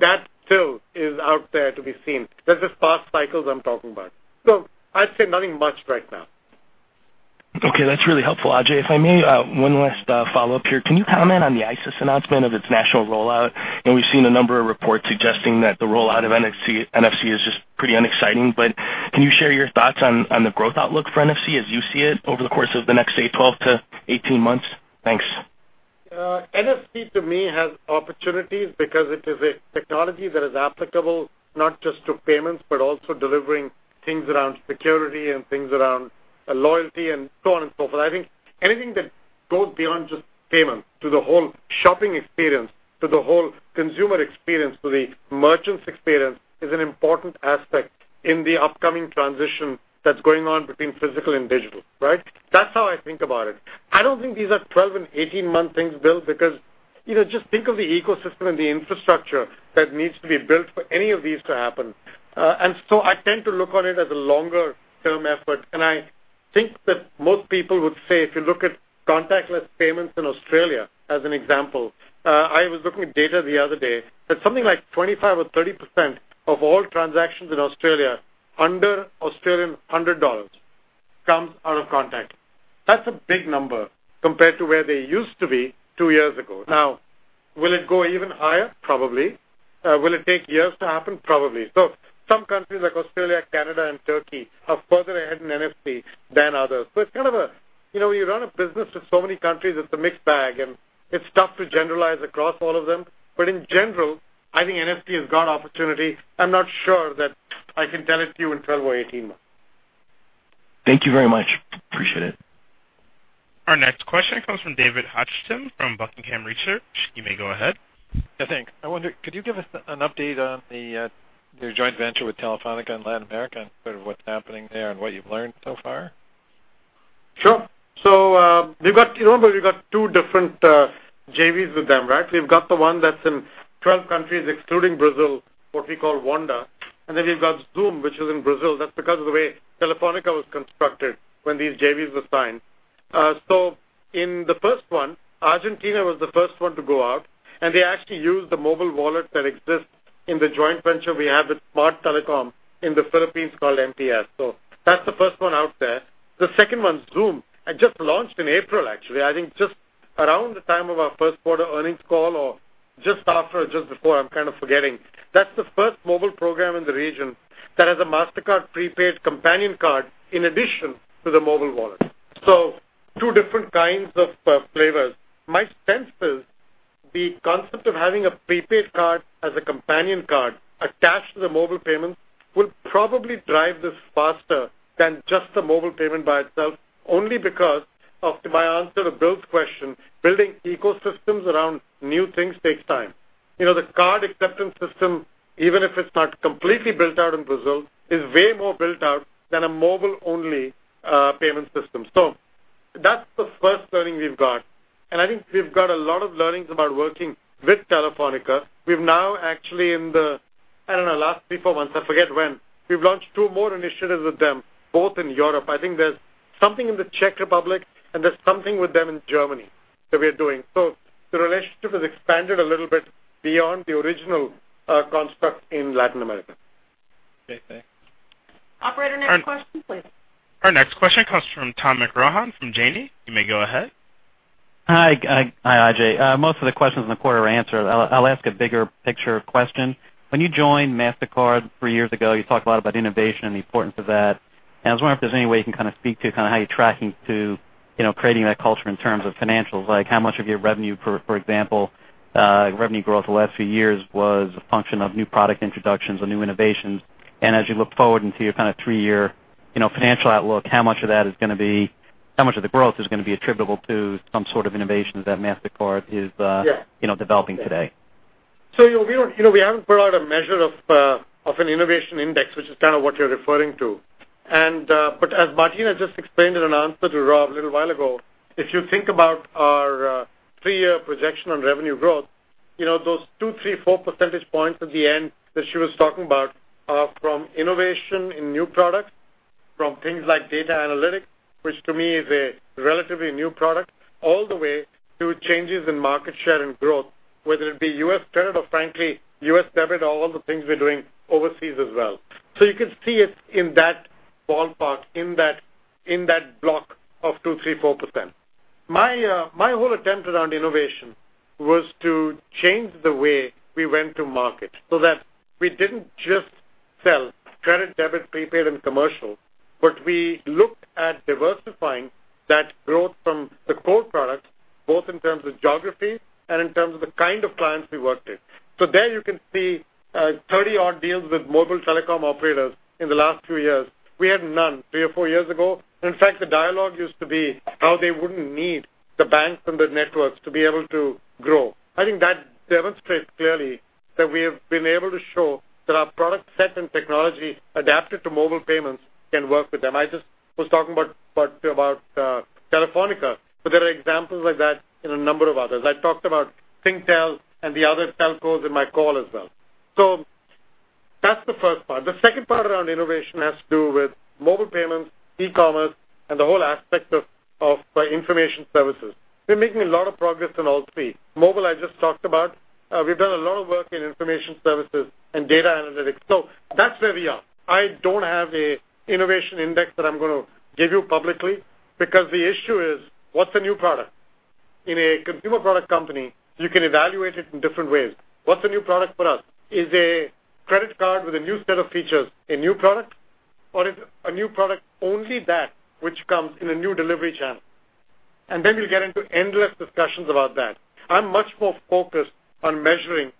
S3: That still is out there to be seen. That's the past cycles I'm talking about. I'd say nothing much right now.
S16: Okay. That's really helpful, Ajay. If I may, one last follow-up here. Can you comment on the Isis announcement of its national rollout? We've seen a number of reports suggesting that the rollout of NFC is just pretty unexciting. Can you share your thoughts on the growth outlook for NFC as you see it over the course of the next, say, 12 to 18 months? Thanks.
S3: NFC to me has opportunities because it is a technology that is applicable not just to payments, but also delivering things around security and things around loyalty and so on and so forth. I think anything that goes beyond just payment to the whole shopping experience, to the whole consumer experience, to the merchant's experience, is an important aspect in the upcoming transition that's going on between physical and digital, right? That's how I think about it. I don't think these are 12 and 18-month things, Bill, because just think of the ecosystem and the infrastructure that needs to be built for any of these to happen. I tend to look on it as a longer-term effort. I think that most people would say, if you look at contactless payments in Australia, as an example. I was looking at data the other day, that something like 25% or 30% of all transactions in Australia under 100 Australian dollars comes out of contact. That's a big number compared to where they used to be two years ago. Now, will it go even higher? Probably. Will it take years to happen? Probably. Some countries like Australia, Canada, and Turkey are further ahead in NFC than others. It's kind of a when you run a business with so many countries, it's a mixed bag, and it's tough to generalize across all of them. In general, I think NFC has got opportunity. I'm not sure that I can tell it to you in 12 or 18 months.
S16: Thank you very much. Appreciate it.
S1: Our next question comes from David Hochstim from Buckingham Research. You may go ahead.
S17: Yeah, thanks. I wonder, could you give us an update on your joint venture with Telefónica in Latin America and sort of what's happening there and what you've learned so far?
S3: Sure. Remember, we've got two different JVs with them, right? We've got the one that's in 12 countries, excluding Brazil, what we call Wanda. We've got Zuum, which is in Brazil. That's because of the way Telefónica was constructed when these JVs were signed. In the first one, Argentina was the first one to go out, and they actually used the mobile wallet that exists in the joint venture we have with Smart Communications in the Philippines called MTS. That's the first one out there. The second one, Zuum, just launched in April, actually, I think just around the time of our first quarter earnings call, or just after or just before, I'm kind of forgetting. That's the first mobile program in the region that has a Mastercard prepaid companion card in addition to the mobile wallet. Two different kinds of flavors. My sense is the concept of having a prepaid card as a companion card attached to the mobile payment will probably drive this faster than just the mobile payment by itself, only because of my answer to Bill's question, building ecosystems around new things takes time. The card acceptance system, even if it's not completely built out in Brazil, is way more built out than a mobile-only payment system. That's the first learning we've got, and I think we've got a lot of learnings about working with Telefónica. We've now actually in the, I don't know, last three, four months, I forget when, we've launched two more initiatives with them, both in Europe. I think there's something in the Czech Republic, and there's something with them in Germany that we are doing. The relationship has expanded a little bit beyond the original construct in Latin America.
S17: Okay, thanks.
S4: Operator, next question, please.
S1: Our next question comes from Thomas McCrohan from Janney. You may go ahead.
S18: Hi, Ajay. Most of the questions in the quarter are answered. I'll ask a bigger picture question. When you joined Mastercard 3 years ago, you talked a lot about innovation and the importance of that. I was wondering if there's any way you can speak to how you're tracking to creating that culture in terms of financials, like how much of your revenue, for example, revenue growth the last few years was a function of new product introductions or new innovations. As you look forward into your 3-year financial outlook, how much of the growth is going to be attributable to some sort of innovations that Mastercard is-
S3: Yeah
S18: developing today?
S3: We haven't put out a measure of an innovation index, which is kind of what you're referring to. As Martina just explained in an answer to Rod a little while ago, if you think about our 3-year projection on revenue growth, those two, three, four percentage points at the end that she was talking about are from innovation in new products, from things like data analytics, which to me is a relatively new product, all the way to changes in market share and growth, whether it be U.S. credit or frankly, U.S. debit or all the things we're doing overseas as well. You could see it's in that ballpark, in that block of 2%, 3%, 4%. My whole attempt around innovation was to change the way we went to market so that we didn't just sell credit, debit, prepaid, and commercial, but we looked at diversifying that growth from the core products, both in terms of geography and in terms of the kind of clients we worked with. There you can see 30-odd deals with mobile telecom operators in the last few years. We had none three or four years ago. In fact, the dialogue used to be how they wouldn't need the banks and the networks to be able to grow. I think that demonstrates clearly that we have been able to show that our product set and technology adapted to mobile payments can work with them. I just was talking about Telefónica, but there are examples like that in a number of others. I talked about Singtel and the other telcos in my call as well. That's the first part. The second part around innovation has to do with mobile payments, e-commerce, and the whole aspect of information services. We're making a lot of progress in all three. Mobile, I just talked about. We've done a lot of work in information services and data analytics. That's where we are. I don't have an innovation index that I'm going to give you publicly because the issue is, what's a new product? In a consumer product company, you can evaluate it in different ways. What's a new product for us? Is a credit card with a new set of features a new product, or is a new product only that which comes in a new delivery channel? Then we'll get into endless discussions about that. I'm much more focused on measuring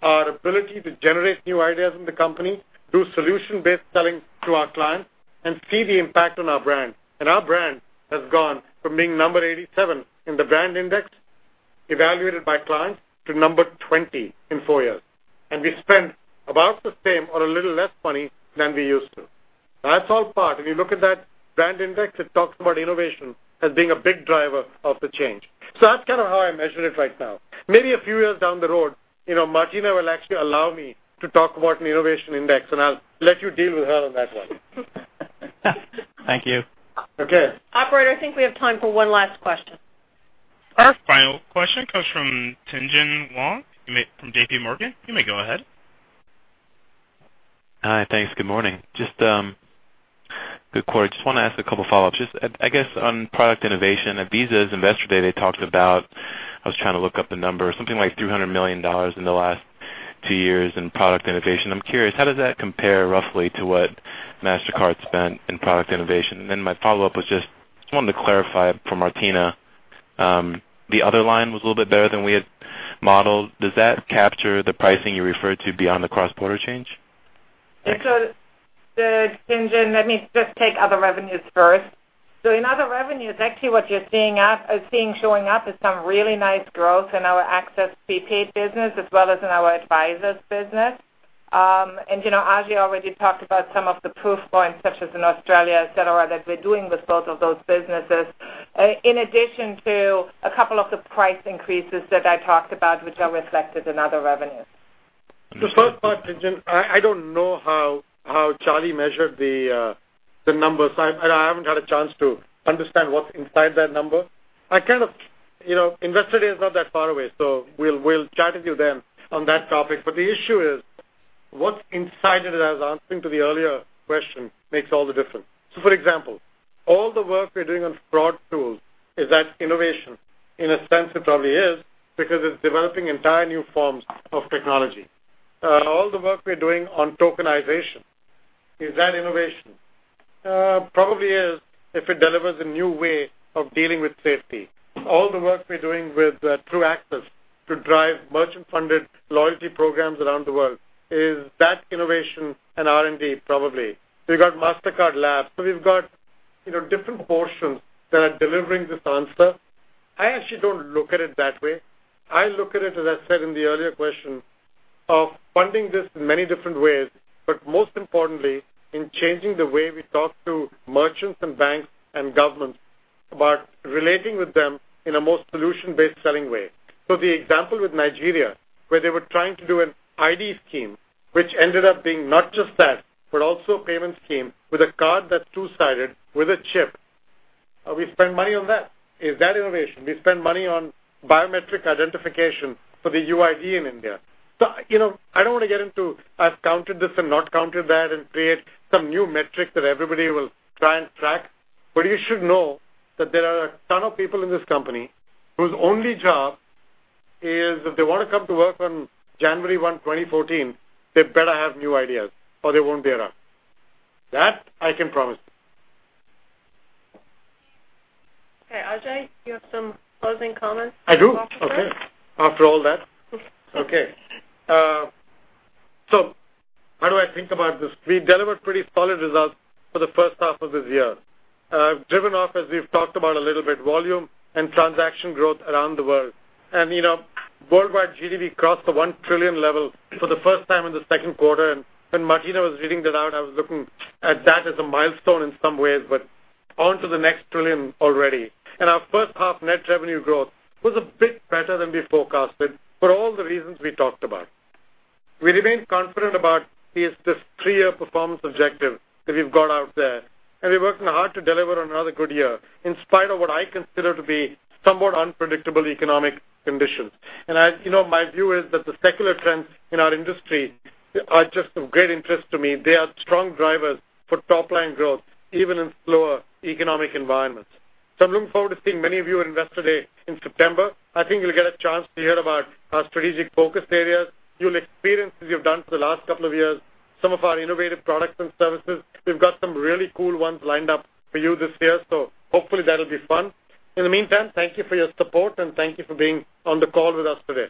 S3: our ability to generate new ideas in the company, do solution-based selling to our clients, and see the impact on our brand. Our brand has gone from being number 87 in the brand index evaluated by clients to number 20 in four years. We spent about the same or a little less money than we used to. That's all part. If you look at that brand index, it talks about innovation as being a big driver of the change. That's kind of how I measure it right now. Maybe a few years down the road, Martina will actually allow me to talk about an innovation index, and I'll let you deal with her on that one.
S18: Thank you.
S3: Okay.
S4: Operator, I think we have time for one last question.
S1: Our final question comes from Tien-tsin Huang from J.P. Morgan. You may go ahead.
S19: Hi. Thanks. Good morning. Good quarter. Just want to ask a couple of follow-ups. Just, I guess on product innovation. At Visa's Investor Day, they talked about, I was trying to look up the number, something like $300 million in the last two years in product innovation. I am curious, how does that compare roughly to what Mastercard spent in product innovation? Then my follow-up was just, I wanted to clarify it for Martina. The other line was a little bit better than we had modeled. Does that capture the pricing you referred to beyond the cross-border change?
S4: Tien-tsin, let me just take other revenues first. In other revenues, actually what you are seeing showing up is some really nice growth in our Access Prepaid business as well as in our advisors business. Ajay already talked about some of the proof points, such as in Australia, et cetera, that we are doing with both of those businesses. In addition to a couple of the price increases that I talked about, which are reflected in other revenues.
S3: The first part, Tien-tsin, I don't know how Charlie measured the numbers. I haven't had a chance to understand what's inside that number. Investor Day is not that far away, we'll chat with you then on that topic. The issue is what's inside it, as answering to the earlier question, makes all the difference. For example, all the work we're doing on fraud tools, is that innovation? In a sense, it probably is, because it's developing entire new forms of technology. All the work we're doing on tokenization, is that innovation? Probably is, if it delivers a new way of dealing with safety. All the work we're doing with Truaxis to drive merchant-funded loyalty programs around the world, is that innovation and R&D? Probably. We've got Mastercard Labs, we've got different portions that are delivering this answer. I actually don't look at it that way. I look at it, as I said in the earlier question, of funding this in many different ways, most importantly, in changing the way we talk to merchants and banks and governments about relating with them in a more solution-based selling way. The example with Nigeria, where they were trying to do an ID scheme, which ended up being not just that, but also a payment scheme with a card that's two-sided with a chip. We spend money on that. Is that innovation? We spend money on biometric identification for the UID in India. I don't want to get into I've counted this and not counted that and create some new metric that everybody will try and track. You should know that there are a ton of people in this company whose only job is if they want to come to work on January 1, 2014, they better have new ideas or they won't be around. That I can promise you.
S4: Ajay, you have some closing comments for us today?
S3: I do. Okay. After all that. Okay. How do I think about this? We've delivered pretty solid results for the first half of this year. Driven off, as we've talked about a little bit, volume and transaction growth around the world. Worldwide GDP crossed the $1 trillion level for the first time in the second quarter. When Martina was reading that out, I was looking at that as a milestone in some ways, but on to the next $1 trillion already. Our first half net revenue growth was a bit better than we forecasted for all the reasons we talked about. We remain confident about this 3-year performance objective that we've got out there, and we're working hard to deliver another good year in spite of what I consider to be somewhat unpredictable economic conditions. My view is that the secular trends in our industry are just of great interest to me. They are strong drivers for top-line growth, even in slower economic environments. I'm looking forward to seeing many of you at Investor Day in September. I think you'll get a chance to hear about our strategic focus areas. You'll experience, as you've done for the last couple of years, some of our innovative products and services. We've got some really cool ones lined up for you this year, so hopefully that'll be fun. In the meantime, thank you for your support and thank you for being on the call with us today.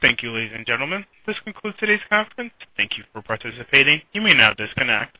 S1: Thank you, ladies and gentlemen. This concludes today's conference. Thank you for participating. You may now disconnect.